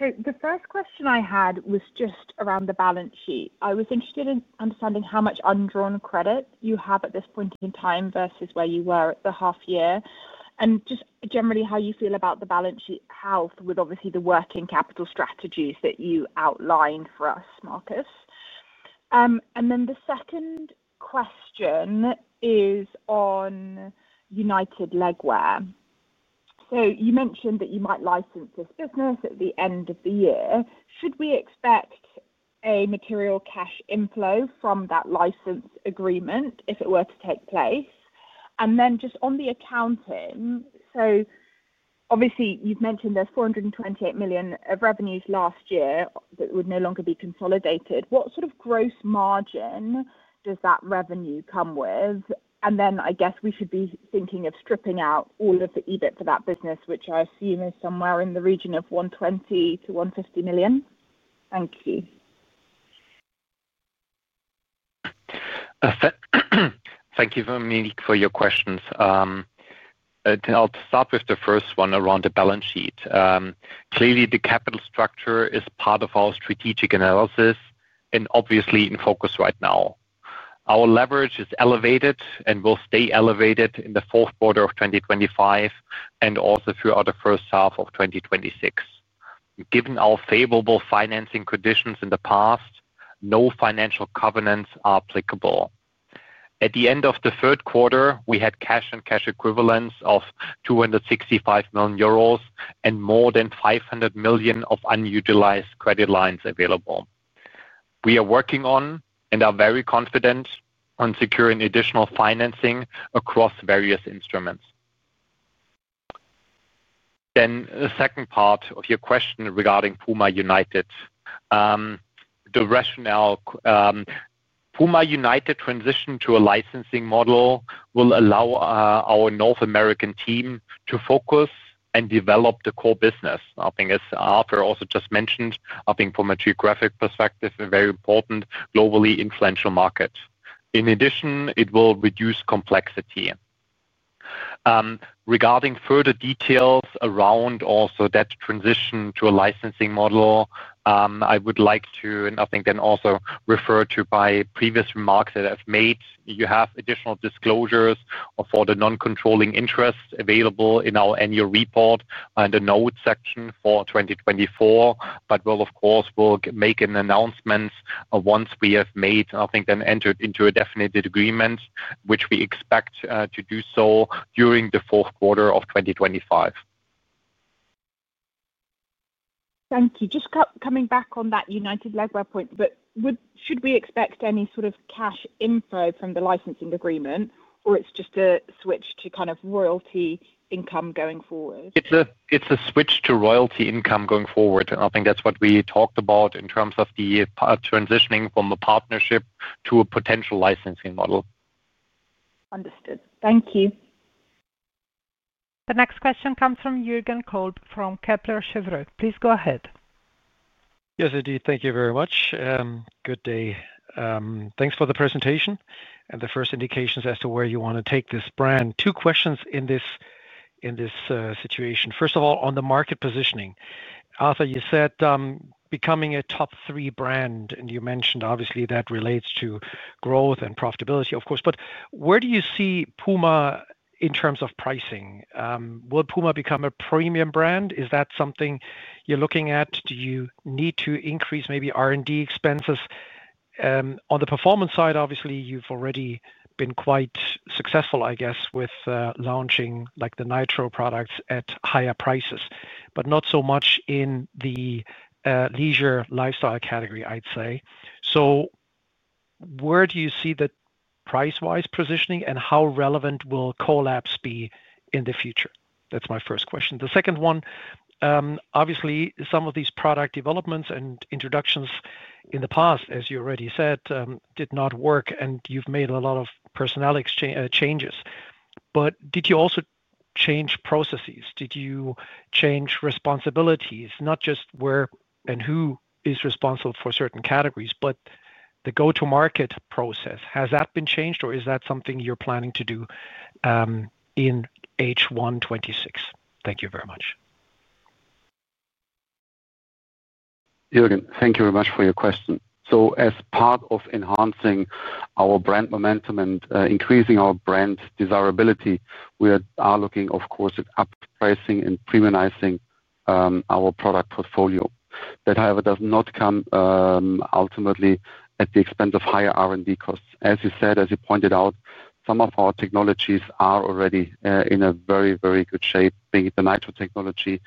The first question I had was just around the balance sheet. I was interested in understanding how much undrawn credit you have at this point in time versus where you were at the half year and just generally how you feel about the balance sheet health with obviously the working capital strategies that you outlined for us, Markus. The second question is on United Legwear. You mentioned that you might license this business at the end of the year. Should we expect a material cash inflow from that license agreement if it were to take place? Just on the accounting, you've mentioned there's $428 million of revenues last year that would no longer be consolidated. What sort of gross margin does that revenue come with? I guess we should be thinking of stripping out all of the EBIT for that business, which I assume is somewhere in the region of $120 million-$150 million. Thank you. Thank you for your questions. I'll start with the first one around the balance sheet. Clearly, the capital structure is part of our strategic analysis and obviously in focus right now. Our leverage is elevated and will stay elevated in the fourth quarter of 2025 and also throughout the first half of 2026, given our favorable financing conditions. In the past, no financial covenants are applicable. At the end of the third quarter, we had cash and cash equivalents of 265 million euros and more than 500 million of unutilized credit lines available. We are working on and are very confident on securing additional financing across various instruments. The second part of your question regarding PUMA United, the rationale for the PUMA United transition to a licensing model will allow our North American team to focus and develop the core business. I think as Arthur also just mentioned, from a geographic perspective, it is a very important globally influential market. In addition, it will reduce complexity. Regarding further details around that transition to a licensing model, I would like to refer to my previous remarks that I've made. You have additional disclosures for the non-controlling interest available in our annual report and the Note section for 2024. We will, of course, make an announcement once we have entered into a definite agreement, which we expect to do during the fourth quarter of 2025. Thank you. Just coming back on that United Legwear point, should we expect any sort of cash inflow from the licensing agreement, or is it just a switch to kind of royalty income going forward? It's a switch to royalty income going forward. I think that's what we talked about in terms of the transitioning from a partnership to a potential licensing model. Understood, thank you. The next question comes from Jürgen Kolb from Kepler Cheuvreux. Please go ahead. Yes, indeed. Thank you very much. Good day. Thanks for the presentation and the first indications as to where you want to take this brand. Two questions in this situation. First of all, on the market positioning, Arthur, you said becoming a top three brand, and you mentioned obviously that relates to growth and profitability. Of course. Where do you see PUMA in terms of pricing? Will PUMA become a premium brand? Is that something you're looking at? Do you need to increase maybe R&D expenses on the performance side? Obviously you've already been quite successful, I guess, with launching the NITRO products at higher prices, but not so much in the leisure lifestyle category, I'd say. Where do you see that price-wise positioning, and how relevant will collabs be in the future? That's my first question. The second one, obviously, some of these product developments and introductions in the past. As you already said, did not work and you've made a lot of personality changes. Did you also change processes? Did you change responsibilities, not just where and who is responsible for certain categories, has the go-to-market process been changed, or is that something you're planning to do in H1 2026? Thank you very much. Jürgen, thank you very much for your question. As part of enhancing our brand momentum and increasing our brand desirability, we are looking, of course, at up pricing and premiumizing our product portfolio. That, however, does not come ultimately at the expense of higher R&D costs, as you said. As you pointed out, some of our technologies are already in a very, very good shape, being the NITRO technology,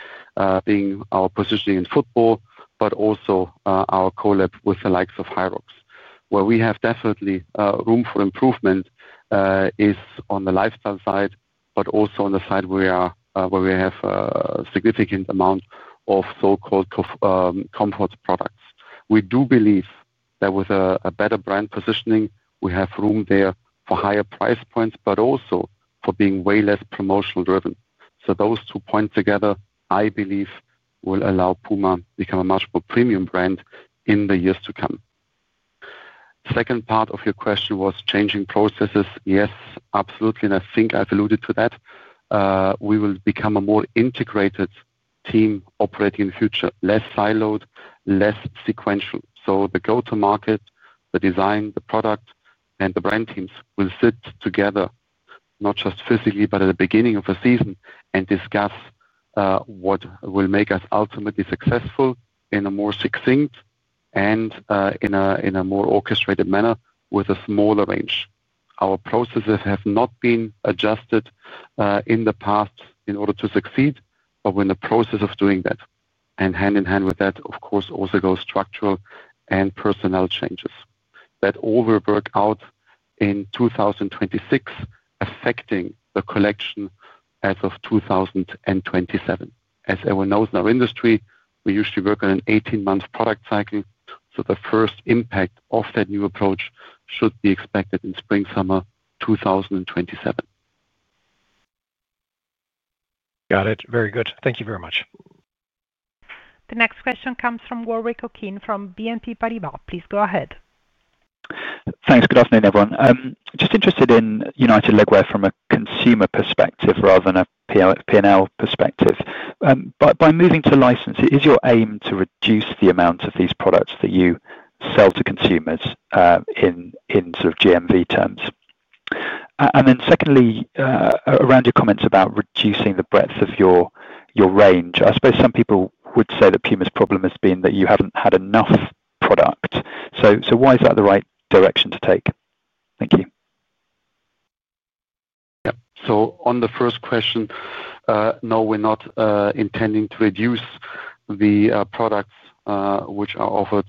being our positioning in football, but also our co-lab with the likes of HYROX. Where we have definitely room for improvement is on the lifestyle side, but also on the side where we have a significant amount of so-called comfort products. We do believe that with a better brand positioning we have room there for higher price points, but also for being way less promotional driven. Those two points together, I believe, will allow PUMA to become a much more premium brand in the years to come. The second part of your question was changing processes. Yes, absolutely, and I think I've alluded to that. We will become a more integrated team operating in the future, less siloed, less sequential. The go-to-market, the design, the product, and the brand teams will sit together, not just physically, but at the beginning of a season and discuss what will make us ultimately successful in a more succinct and in a more orchestrated manner with a smaller range. Our processes have not been adjusted in the past in order to succeed, but we're in the process of doing that. Hand-in-hand with that, of course, also goes structural and personnel changes that all will work out in 2026, affecting the collection as of 2027. As everyone knows in our industry, we usually work on an 18-month product cycle, so the first impact of that new approach should be expected in spring/summer 2027. Got it. Very good. Thank you very much. The next question comes from Warwick Okines from BNP Paribas. Please go ahead. Thanks. Good afternoon everyone. Just interested in United Legwear from a consumer perspective rather than a P&L perspective. By moving to license, is your aim to reduce the amount of these products that you sell to consumers in GMV terms? Secondly, around your comments about reducing the breadth of your range, I suppose some people would say that PUMA's problem has been that you haven't had enough product. Why is that the right direction to take? Thank you. On the first question, no, we're not intending to reduce the products which are offered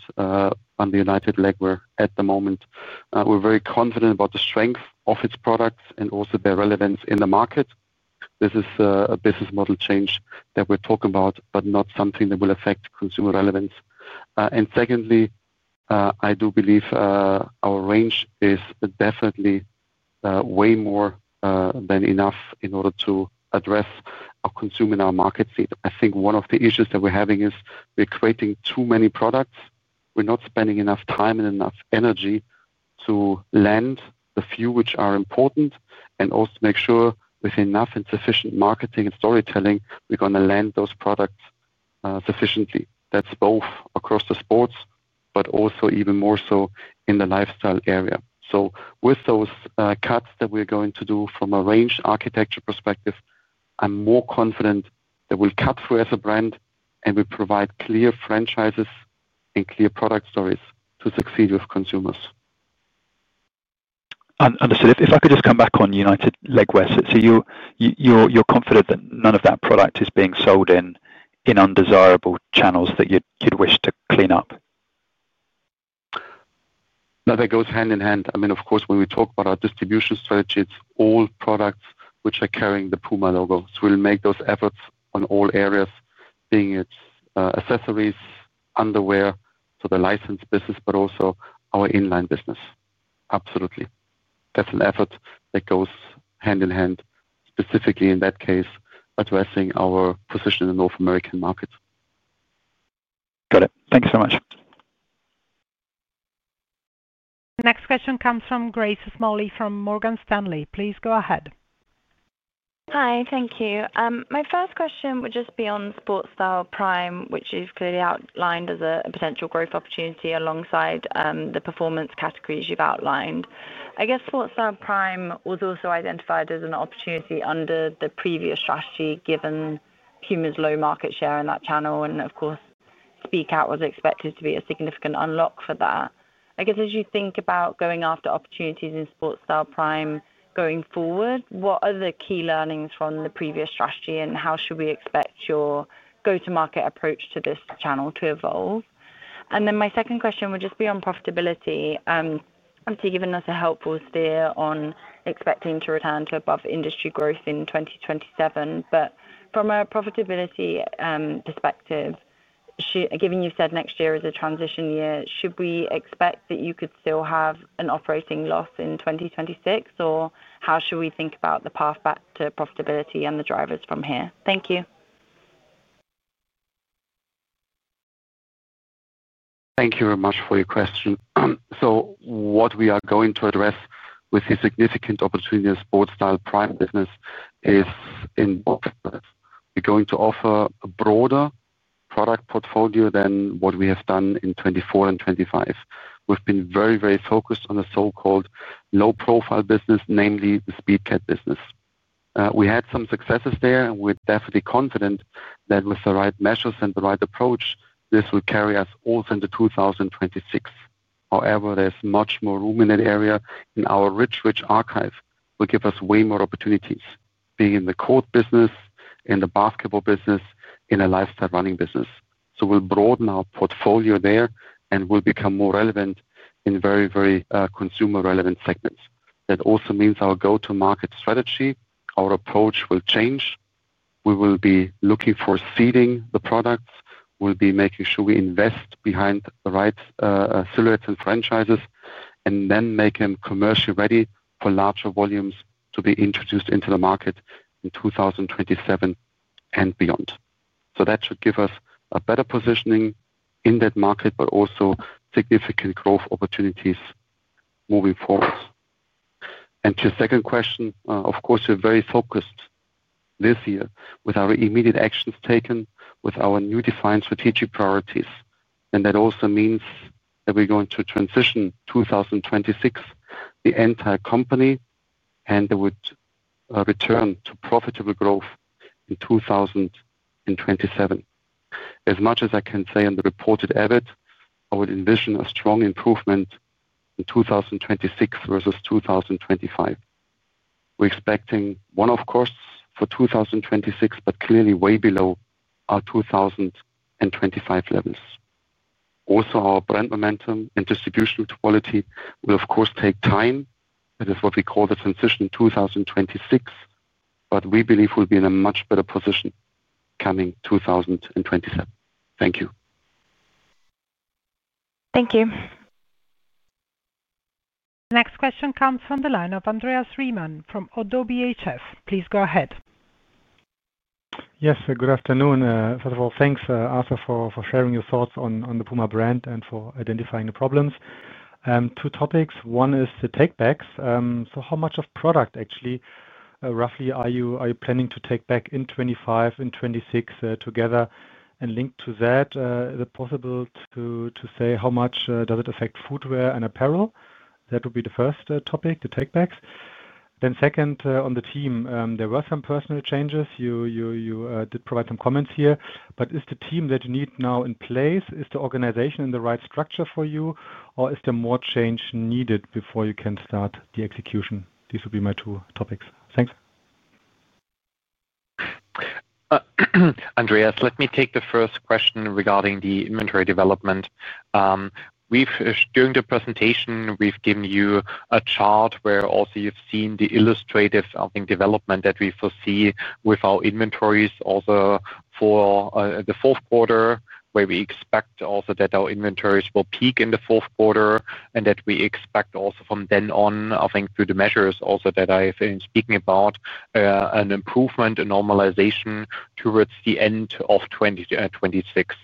under United Legwear at the moment. We're very confident about the strength of its products and also their relevance in the market. This is a business model change that we're talking about, not something that will affect consumer relevance. I do believe our range is definitely way more than enough in order to address our consumer in our market seat. I think one of the issues that we're having is we're creating too many products. We're not spending enough time and enough energy to land a few which are important and also make sure with enough and sufficient marketing and storytelling, we're going to land those products sufficiently. That's both across the sports but also even more so in the lifestyle area. With those cuts that we're going to do from a range architecture perspective, I'm more confident that we'll cut through as a brand and we provide clear franchises and clear product stories to succeed with consumers. Understood. If I could just come back on United Legwear. You're confident that none of that product is being sold in undesirable channels that you'd wish to clean up? That goes hand-in-hand. Of course, when we talk about our distribution strategy, it's all products which are carrying the PUMA logo. We'll make those efforts on all areas, be it accessories, underwear for the license business, but also our inline business. Absolutely. That's an effort that goes hand-in-hand, specifically in that case addressing our position in the North American markets. Got it. Thanks so much. Next question comes from Grace Smalley from Morgan Stanley. Please go ahead. Hi. Thank you. My first question would just be on Sportstyle Prime, which is clearly outlined as a potential growth opportunity alongside the performance categories you've outlined. I guess Sportstyle Prime was also identified as an opportunity under the previous strategy given PUMA's low market share in that channel. Of course, Speedcat was expected to be a significant unlock for that. As you think about going after opportunities in Sportstyle Prime going forward, what are the key learnings from the previous strategy and how should we expect your go-to-market approach to this channel to evolve? My second question would just be on profitability. Given you gave us a helpful steer on expecting to return to above industry growth in 2027, from a profitability perspective, given you said next year is a transition year, should we expect that you could still have an operating loss in 2026 or how should we think about the path back to profitability and the drivers from here? Thank you. Thank you very much for your question. What we are going to address with the significant opportunity in Sportsstyle, private business is in. We're going to offer a broader product portfolio than what we have done in 2024 and 2025. We've been very, very focused on the so-called low profile business, namely the Speedcat business. We had some successes there and we're definitely confident that with the right measures and the right approach, this will carry us all into 2026. However, there's much more room in that area and our rich, rich archive will give us way more opportunities being in the coat business, in the basketball business, in a lifestyle running business. We will broaden our portfolio there and we'll become more relevant in very, very consumer relevant segments. That also means our go-to-market strategy, our approach will change. We will be looking for seeding the products, we'll be making sure we invest behind the right silhouettes and franchises and then make them commercially ready for larger volumes to be introduced into the market in 2027 and beyond. That should give us a better positioning in that market but also significant growth opportunities moving forward. Your second question, of course we're very focused this year with our immediate actions taken with our new defined strategic priorities. That also means that we're going to transition 2026 the entire company and it would return to profitable growth in 2027. As much as I can say on the reported EBIT, I would envision a strong improvement in 2026 versus 2025. We're expecting one-off costs for 2026, but clearly way below our 2025 levels. Also our brand momentum and distribution quality will of course take time. That is what we call the transition 2026. We believe we'll be in a much better position coming 2027. Thank you. Thank you. Next question comes from the line of Andreas Riemann from ODDO BHF. Please go ahead. Yes, good afternoon. First of all, thanks Arthur for sharing your thoughts on the PUMA brand and for identifying the problems. Two topics. One is the inventory takebacks. How much of product actually roughly are you planning to take back in 2025 and 2026 together, and linked to that, is it possible to say how much does it affect footwear and apparel? That would be the first topic, the inventory takebacks. Second, on the team, there were some personnel changes. You did provide some comments here, but is the team that you need now in place? Is the organization in the right structure for you, or is there more change needed before you can start the execution? These would be my two topics. Thanks. Andreas, let me take the first question regarding the inventory development. During the presentation, we've given you a chart where you've also seen the illustrative development that we foresee with our inventories. Also for the fourth quarter where we expect also that our inventories will peak in the fourth quarter and that we expect also from then on. I think through the measures also that I have been speaking about, an improvement in normalization towards the end of 2026,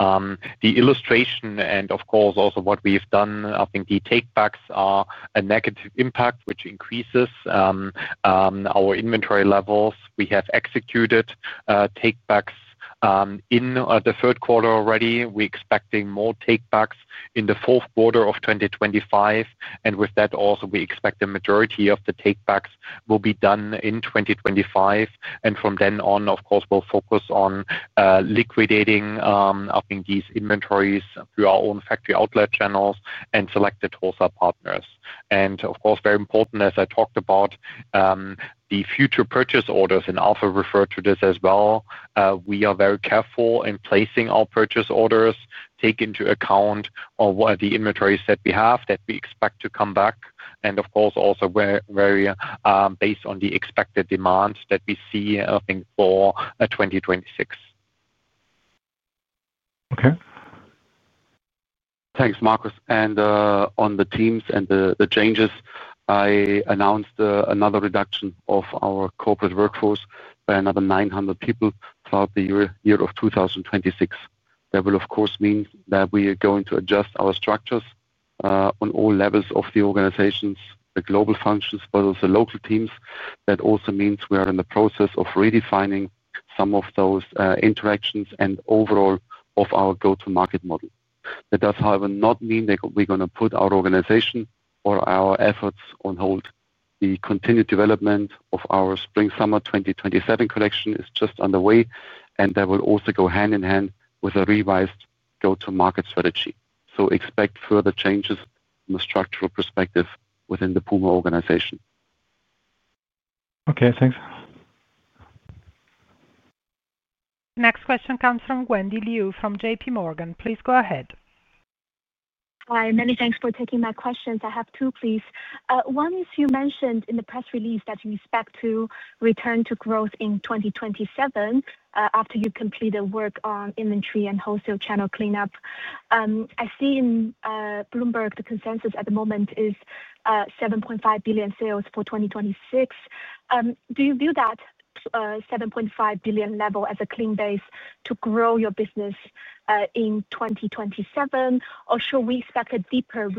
the illustration and of course also what we've done. I think the takebacks are a negative impact which increases our inventory levels. We have executed takebacks in the third quarter already. We're expecting more takebacks in the fourth quarter of 2025, and with that also we expect the majority of the takebacks will be done in 2025. From then on, of course, we'll focus on liquidating these inventories through our own factory outlet channels and selected wholesale partners. Of course, very important, as I talked about the future purchase orders and Arthur referred to this as well, we are very careful in placing our purchase orders, taking into account the inventories that we have, that we expect to come back, and of course also vary based on the expected demand that we see, I think, for 2026. Okay. Thanks Markus. On the teams and the changes, I announced another reduction of our corporate workforce by another 900 people throughout the year of 2026. That will, of course, mean that we are going to adjust our structures on all levels of the organizations, the global functions, but also local teams. That also means we are in the process of redefining some of those interactions and overall of our go-to-market model. That does, however, not mean that we're going to put our organization or our efforts on hold. The continued development of our Spring Summer 2027 collection is just underway, and that will also go hand-in-hand with a revised go-to-market strategy. Expect further changes from a structural perspective within the PUMA organization. Okay, thanks. Next question comes from Wendy Liu from JPMorgan. Please go ahead. Hi. Many thanks for taking my questions. I have two, please. One is you mentioned in the press release that you expect to return to growth in 2027 after you completed work on inventory and wholesale channel cleanup. I see in Bloomberg the consensus at the moment is $7.5 billion sales for 2026. Do you view that $7.5 billion level as a clean base to grow your business in 2027? Should we expect a deeper,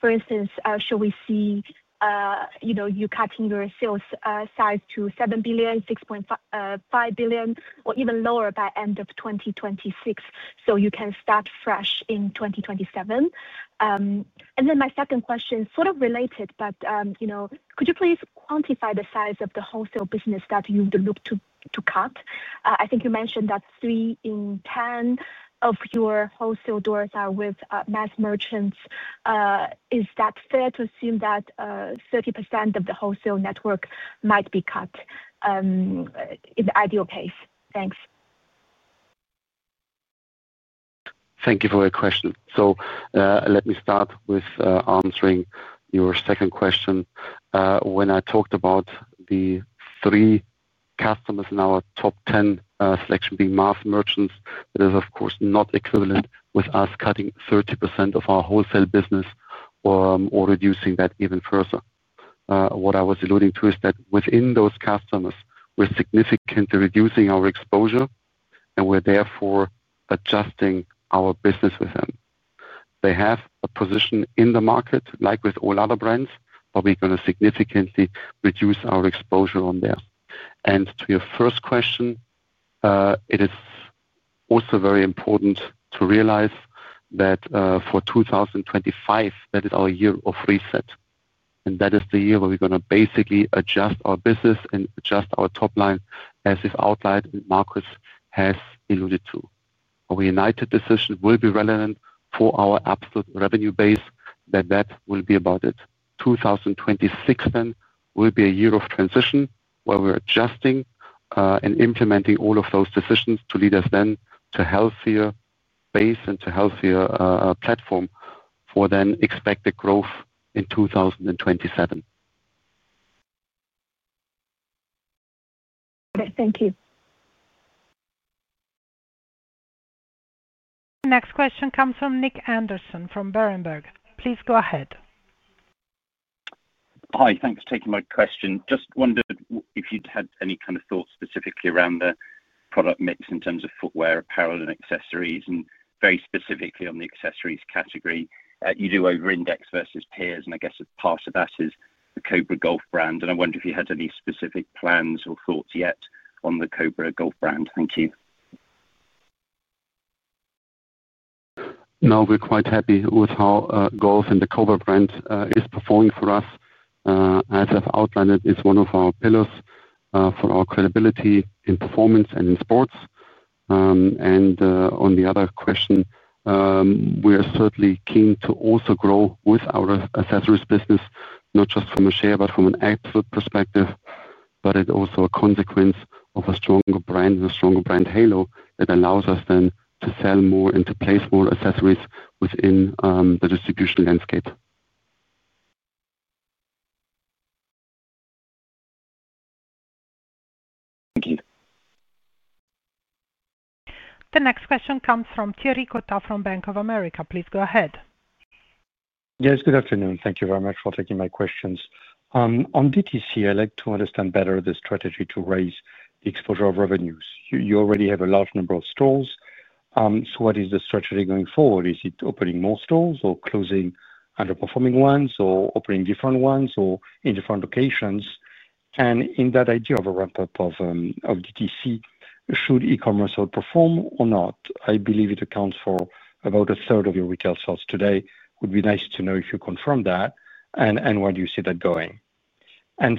for instance, shall we see you cutting your sales size to $7 billion, $6.5 billion, or even lower by end of 2026 so you can start fresh in 2027? My second question is sort of related, but could you please quantify the size of the wholesale business that you would look to cut? I think you mentioned that three in 10 of your wholesale doors are with mass merchants. Is that fair to assume that 30% of the wholesale network might be cut in the ideal case? Thanks. Thank you for your question. Let me start with answering your second question. When I talked about the three customers in our top 10 selection being mass merchants, it is of course not equivalent with us cutting 30% of our wholesale business or reducing that even further. What I was alluding to is that within those customers we're significantly reducing our exposure, and we're therefore adjusting our business with them. They have a position in the market like with all other brands. We're going to significantly reduce our exposure there. To your first question, it is also very important to realize that for 2025, that is our year of reset, and that is the year where we're going to basically adjust our business and adjust our top line as outlined. Markus has alluded to our united decision will be relevant for our absolute revenue base. That will be about it. 2026 then will be a year of transition where we're adjusting and implementing all of those decisions to lead us to a healthier base and to a healthier platform for then expected growth in 2027. Thank you. Next question comes from Nick Anderson from Berenberg. Please go ahead. Hi. Thanks for taking my question. Just wondered if you'd had any kind of thoughts specifically around the product mix in terms of footwear, apparel, and accessories, and very specifically on the accessories category. You do over index versus peers, and I guess part of that is the Cobra Golf brand. I wonder if you had any specific plans or thoughts yet on the Cobra Golf brand. Thank you. Now we're quite happy with how Golf and the Cobra brand is performing for us. As I've outlined, it is one of our pillars for our credibility in performance and in sports. On the other question, we are certainly keen to also grow with our accessories business, not just from a share but from an absolute perspective. It is also a consequence of a stronger brand and a stronger brand halo that allows us to sell more and to place more accessories within the distribution landscape. Thank you. The next question comes from Thierry Cota from Bank of America. Please go ahead. Yes, good afternoon. Thank you very much for taking my questions on DTC. I'd like to understand better the strategy to raise the exposure of revenues. You already have a large number of stores. What is the strategy going forward? Is it opening more stores or closing underperforming ones or opening different ones or in different locations? In that idea of a ramp up of DTC, should e-commerce outperform or not? I believe it accounts for about a third of your retail stores today. Would be nice to know if you confirmed that and where do you see that going.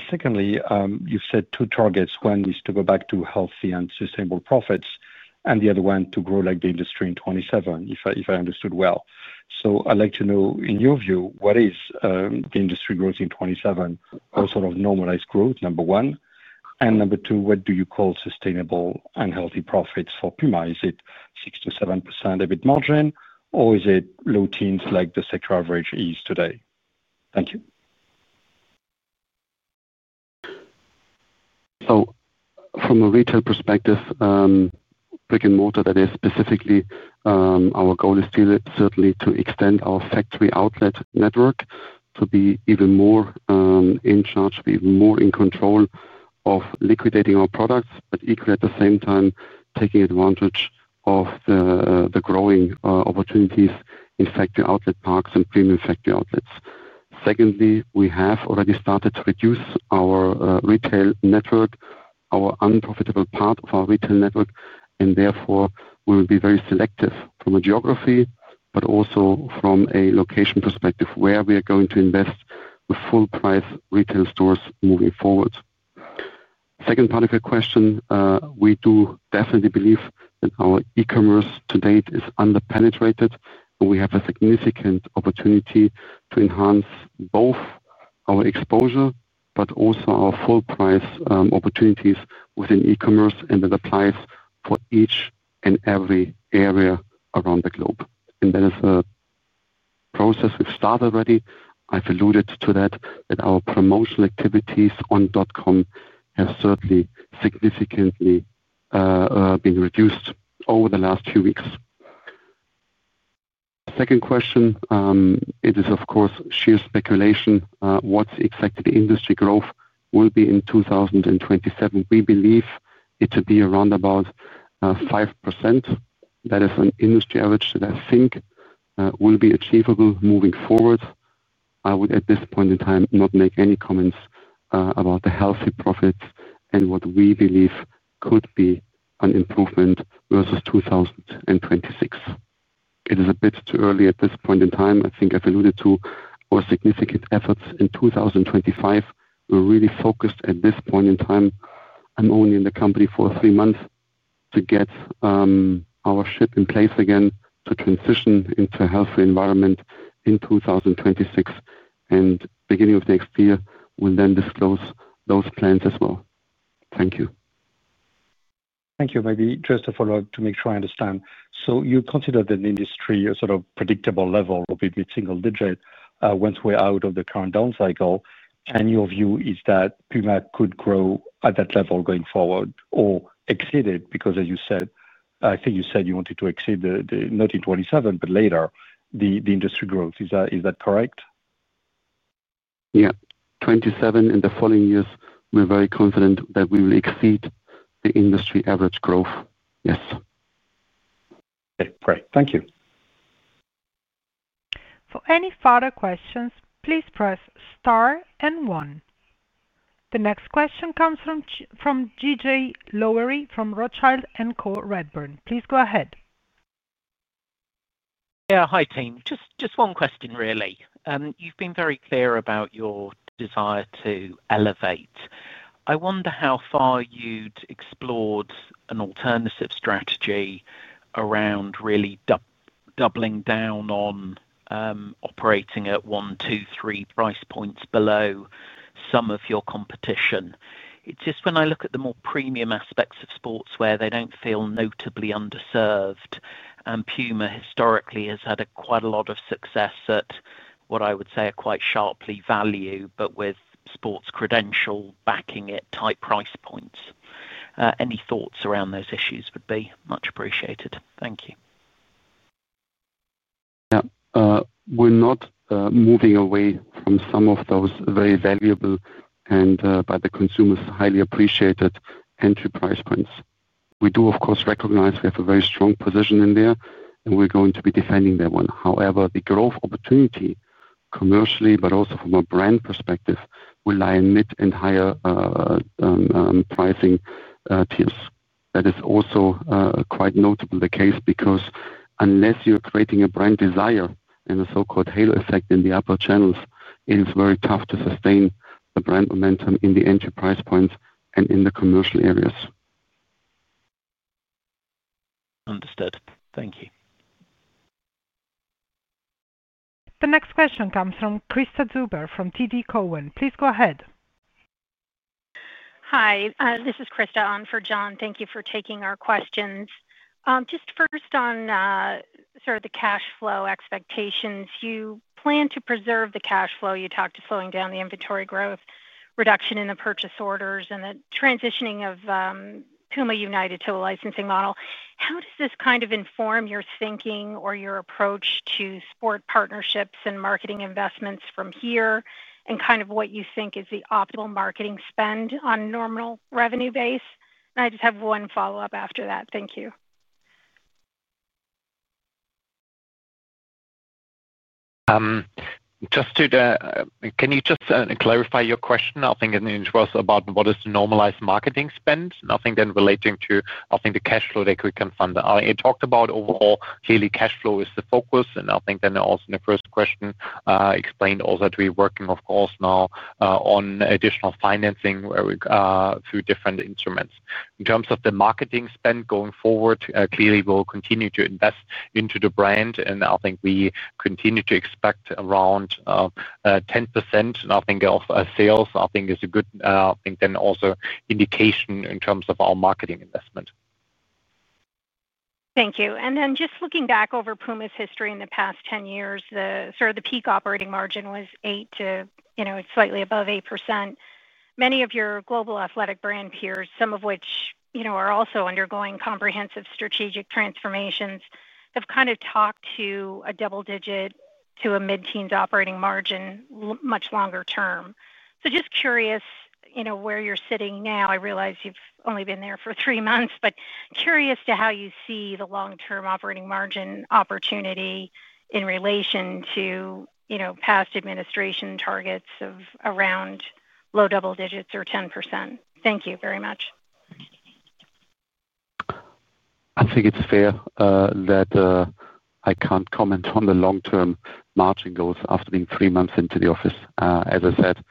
Secondly, you've set two targets. One is to go back to healthy and sustainable profits and the other one to grow like the industry in 2027, if I understood well. I'd like to know in your view, what is the industry growth in 2027 or sort of normalized growth, number one. Number two, what do you call sustainable and healthy profits for PUMA? Is it 6%-7% EBIT margin or is it low teens like the sector average is today? Thank you. From a retail perspective, brick and mortar, that is specifically our goal is certainly to extend our factory outlet network to be even more in charge, be more in control of liquidating our products, but equally at the same time taking advantage of the growing opportunities in fact the outlet parks and premium factory outlets. We have already started to reduce our retail network, our unprofitable part of our retail network, and therefore we will be very selective from a geography but also from a location perspective where we are going to invest with full price retail stores moving forward. We do definitely believe that our e-commerce to date is underpenetrated. We have a significant opportunity to enhance both our exposure but also our full price opportunities within e-commerce. That applies for each and every area around the globe. That is a process we start already. I've alluded to that, that our promotional activities on .com have certainly significantly been reduced over the last few weeks. It is of course sheer speculation what exactly the industry growth will be in 2027. We believe it to be around about 5%. That is an industry average that I think will be achievable moving forward. I would at this point in time not make any comments about the healthy profits and what we believe could be an improvement versus 2026. It is a bit too early at this point in time. I think I've alluded to our significant efforts in 2025. We're really focused at this point in time. I'm only in the company for three months to get our ship in place again to transition into a healthy environment in 2026, and beginning of next year will then disclose those plans as well. Thank you. Thank you, maybe just a follow up to make sure I understand. You consider the industry a sort of predictable level or maybe single digit once we're out of the current down cycle, and your view is that PUMA could grow at that level going forward or exceed it because, as you said, I think you said you wanted to exceed the 2027 but later the industry growth, is that correct? Yeah, 2027 in the following years we're very confident that we will exceed the industry average growth. Yes. Great. Thank you. For any further questions, please press star and one. The next question comes from G.J. Lowery from Rothschild & Co Redburn. Please go ahead. Yeah. Hi team. Just one question, really. You've been very clear about your desire to elevate. I wonder how far you'd explored an alternative strategy around really doubling down on operating at one, two, three price points below some of your competition. It's just when I look at the more premium aspects of sports where they don't feel notably underserved and PUMA historically has had quite a lot of success at what I would say are quite sharply value but with sports credential backing it tight price points, any thoughts around those issues would be much appreciated. Thank you. We're not moving away from some of those very valuable and by the consumers highly appreciated entry price points. We do of course recognize we have a very strong position in there and we're going to be defending that one. However, the growth opportunity commercially but also from a brand perspective will lie in mid and higher pricing tiers. That is also quite notably the case because unless you're creating a brand desire and the so-called halo effect in the upper channels, it is very tough to sustain the brand momentum in the entry price points and in the commercial areas. Understood, thank you. The next question comes from Krista Zuber from TD Cowen. Please go ahead. Hi, this is Krista on for John. Thank you for taking our questions. Just first on sort of the cash flow expectations you plan to preserve. The cash flow you talked to slowing down the inventory growth, reduction in the purchase orders, and the transitioning of PUMA United to a licensing model. How does this kind of inform your thinking or your approach to sport partnerships and marketing investments from here and kind of what you think is the optimal marketing spend on normal revenue base. I just have one follow up after that. Thank you. Can you just clarify your question? I think it was about what is normalized marketing spend? Nothing then relating to, I think, the cash flow that we can fund. It talked about overall. Clearly, cash flow is the focus. I think in the first question explained also to be working, of course, now on additional financing through different instruments in terms of the marketing spend going forward. Clearly, we'll continue to invest into the brand, and I think we continue to expect around 10% of sales is a good indication in terms of our marketing investment. Thank you. Just looking back over PUMA's history, in the past 10 years, the peak operating margin was 8% to, you know, it's slightly above 8%. Many of your global athletic brand peers, some of which you know are also undergoing comprehensive strategic transformations, have kind of talked to a double digit to a mid-teens operating margin much longer-term. Just curious, you know where you're sitting now. I realize you've only been there for three months, but curious to how you see the long term operating margin opportunity in relation to past administration targets of around low double digits or 10%. Thank you very much. I think it's fair that I can't comment on the long-term margin goals after being three months into the office. As I said,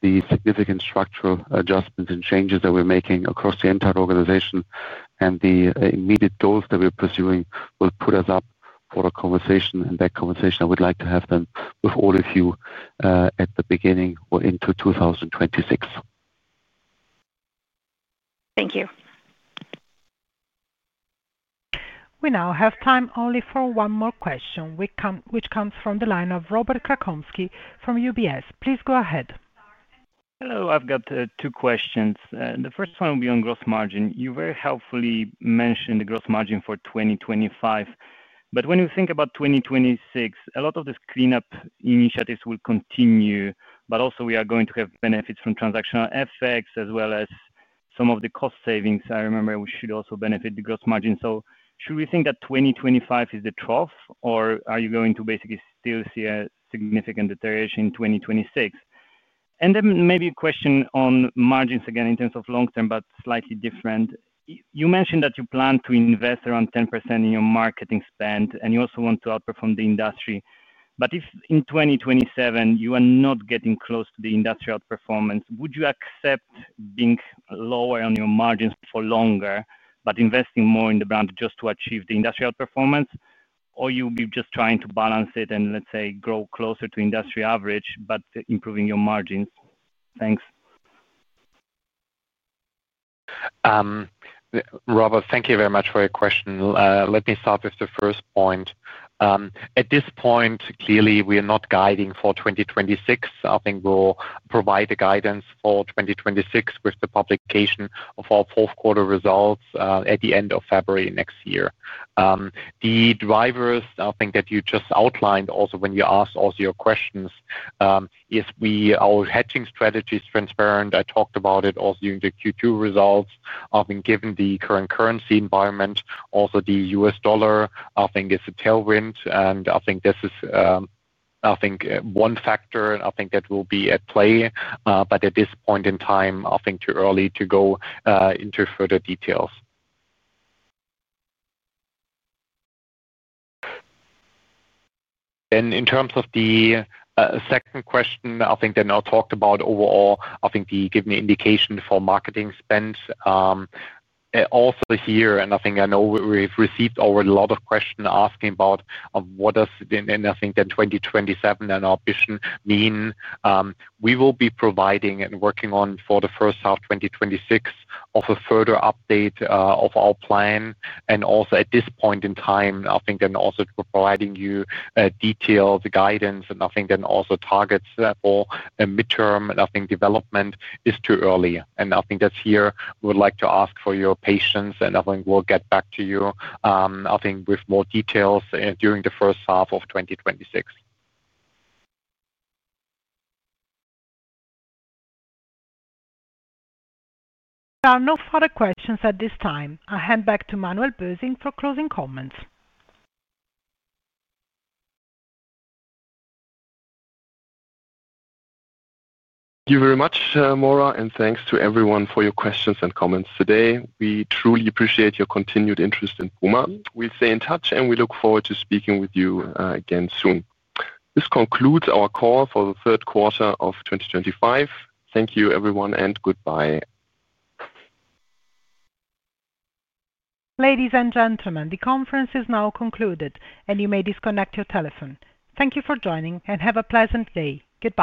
the significant structural adjustments and changes that we're making across the entire organization and the immediate goals that we're pursuing will put us up for a conversation. That conversation, I would like to have with all of you at the beginning or into 2026. Thank you. We now have time only for one more question, which comes from the line of Robert Krankowski from UBS. Please go ahead. Hello. I've got two questions. The first one will be on gross margin. You very helpfully mentioned the gross margin for 2025, but when you think about 2026, a lot of these cleanup initiatives will continue. We are going to have benefits from transactional effects as well as some of the cost savings. I remember we should also benefit the gross margin. Should we think that 2025 is the trough or are you going to basically still see a significant deterioration in 2026? Maybe a question on margins again in terms of long-term, but slightly different. You mentioned that you plan to invest around 10% in your marketing spend and you also want to outperform the industry. If in 2027 you are not getting close to the industrial performance, would you accept being lower on your margins for longer but investing more in the brand just to achieve the industrial performance? Or you'll be just trying to balance it and let's say grow closer to industry average but improving your margins. Thanks. Thank you very much for your question. Let me start with the first point. At this point, clearly we are not guiding for 2026. I think we'll provide the guidance for 2026 with the publication of our fourth quarter results at the end of February next year. The drivers I think that you just outlined also when you asked also your questions if our hedging strategy is transparent. I talked about it also during the Q2 results given the current currency environment. Also, the U.S. dollar I think is a tailwind and I think this is one factor I think that will be at play, but at this point in time I think too early to go into further details. In terms of the second question, I think they now talked about overall, I think the giving indication for marketing spend also here, and I think I know we've received already a lot of questions asking about what does nothing then 2027 and our vision mean. We will be providing and working on for the first half 2026 of a further up state of our plan, and also at this point in time, I think then also providing you detailed guidance and I think then also targets for mid-term, and I think development is too early and I think that's here. We would like to ask for your patience, and I think we'll get back to you, I think, with more details during the first half of 2020. There are no further questions at this time. I hand back to Manuel Bösing for closing comments. Thank you very much, Maura, and thanks to everyone for your questions and comments today. We truly appreciate your continued interest in PUMA. We stay in touch, and we look forward to speaking with you again soon. This concludes our call for the third quarter of 2025. Thank you, everyone, and goodbye. Ladies and gentlemen, the conference is now concluded and you may disconnect your telephone. Thank you for joining and have a pleasant day. Goodbye.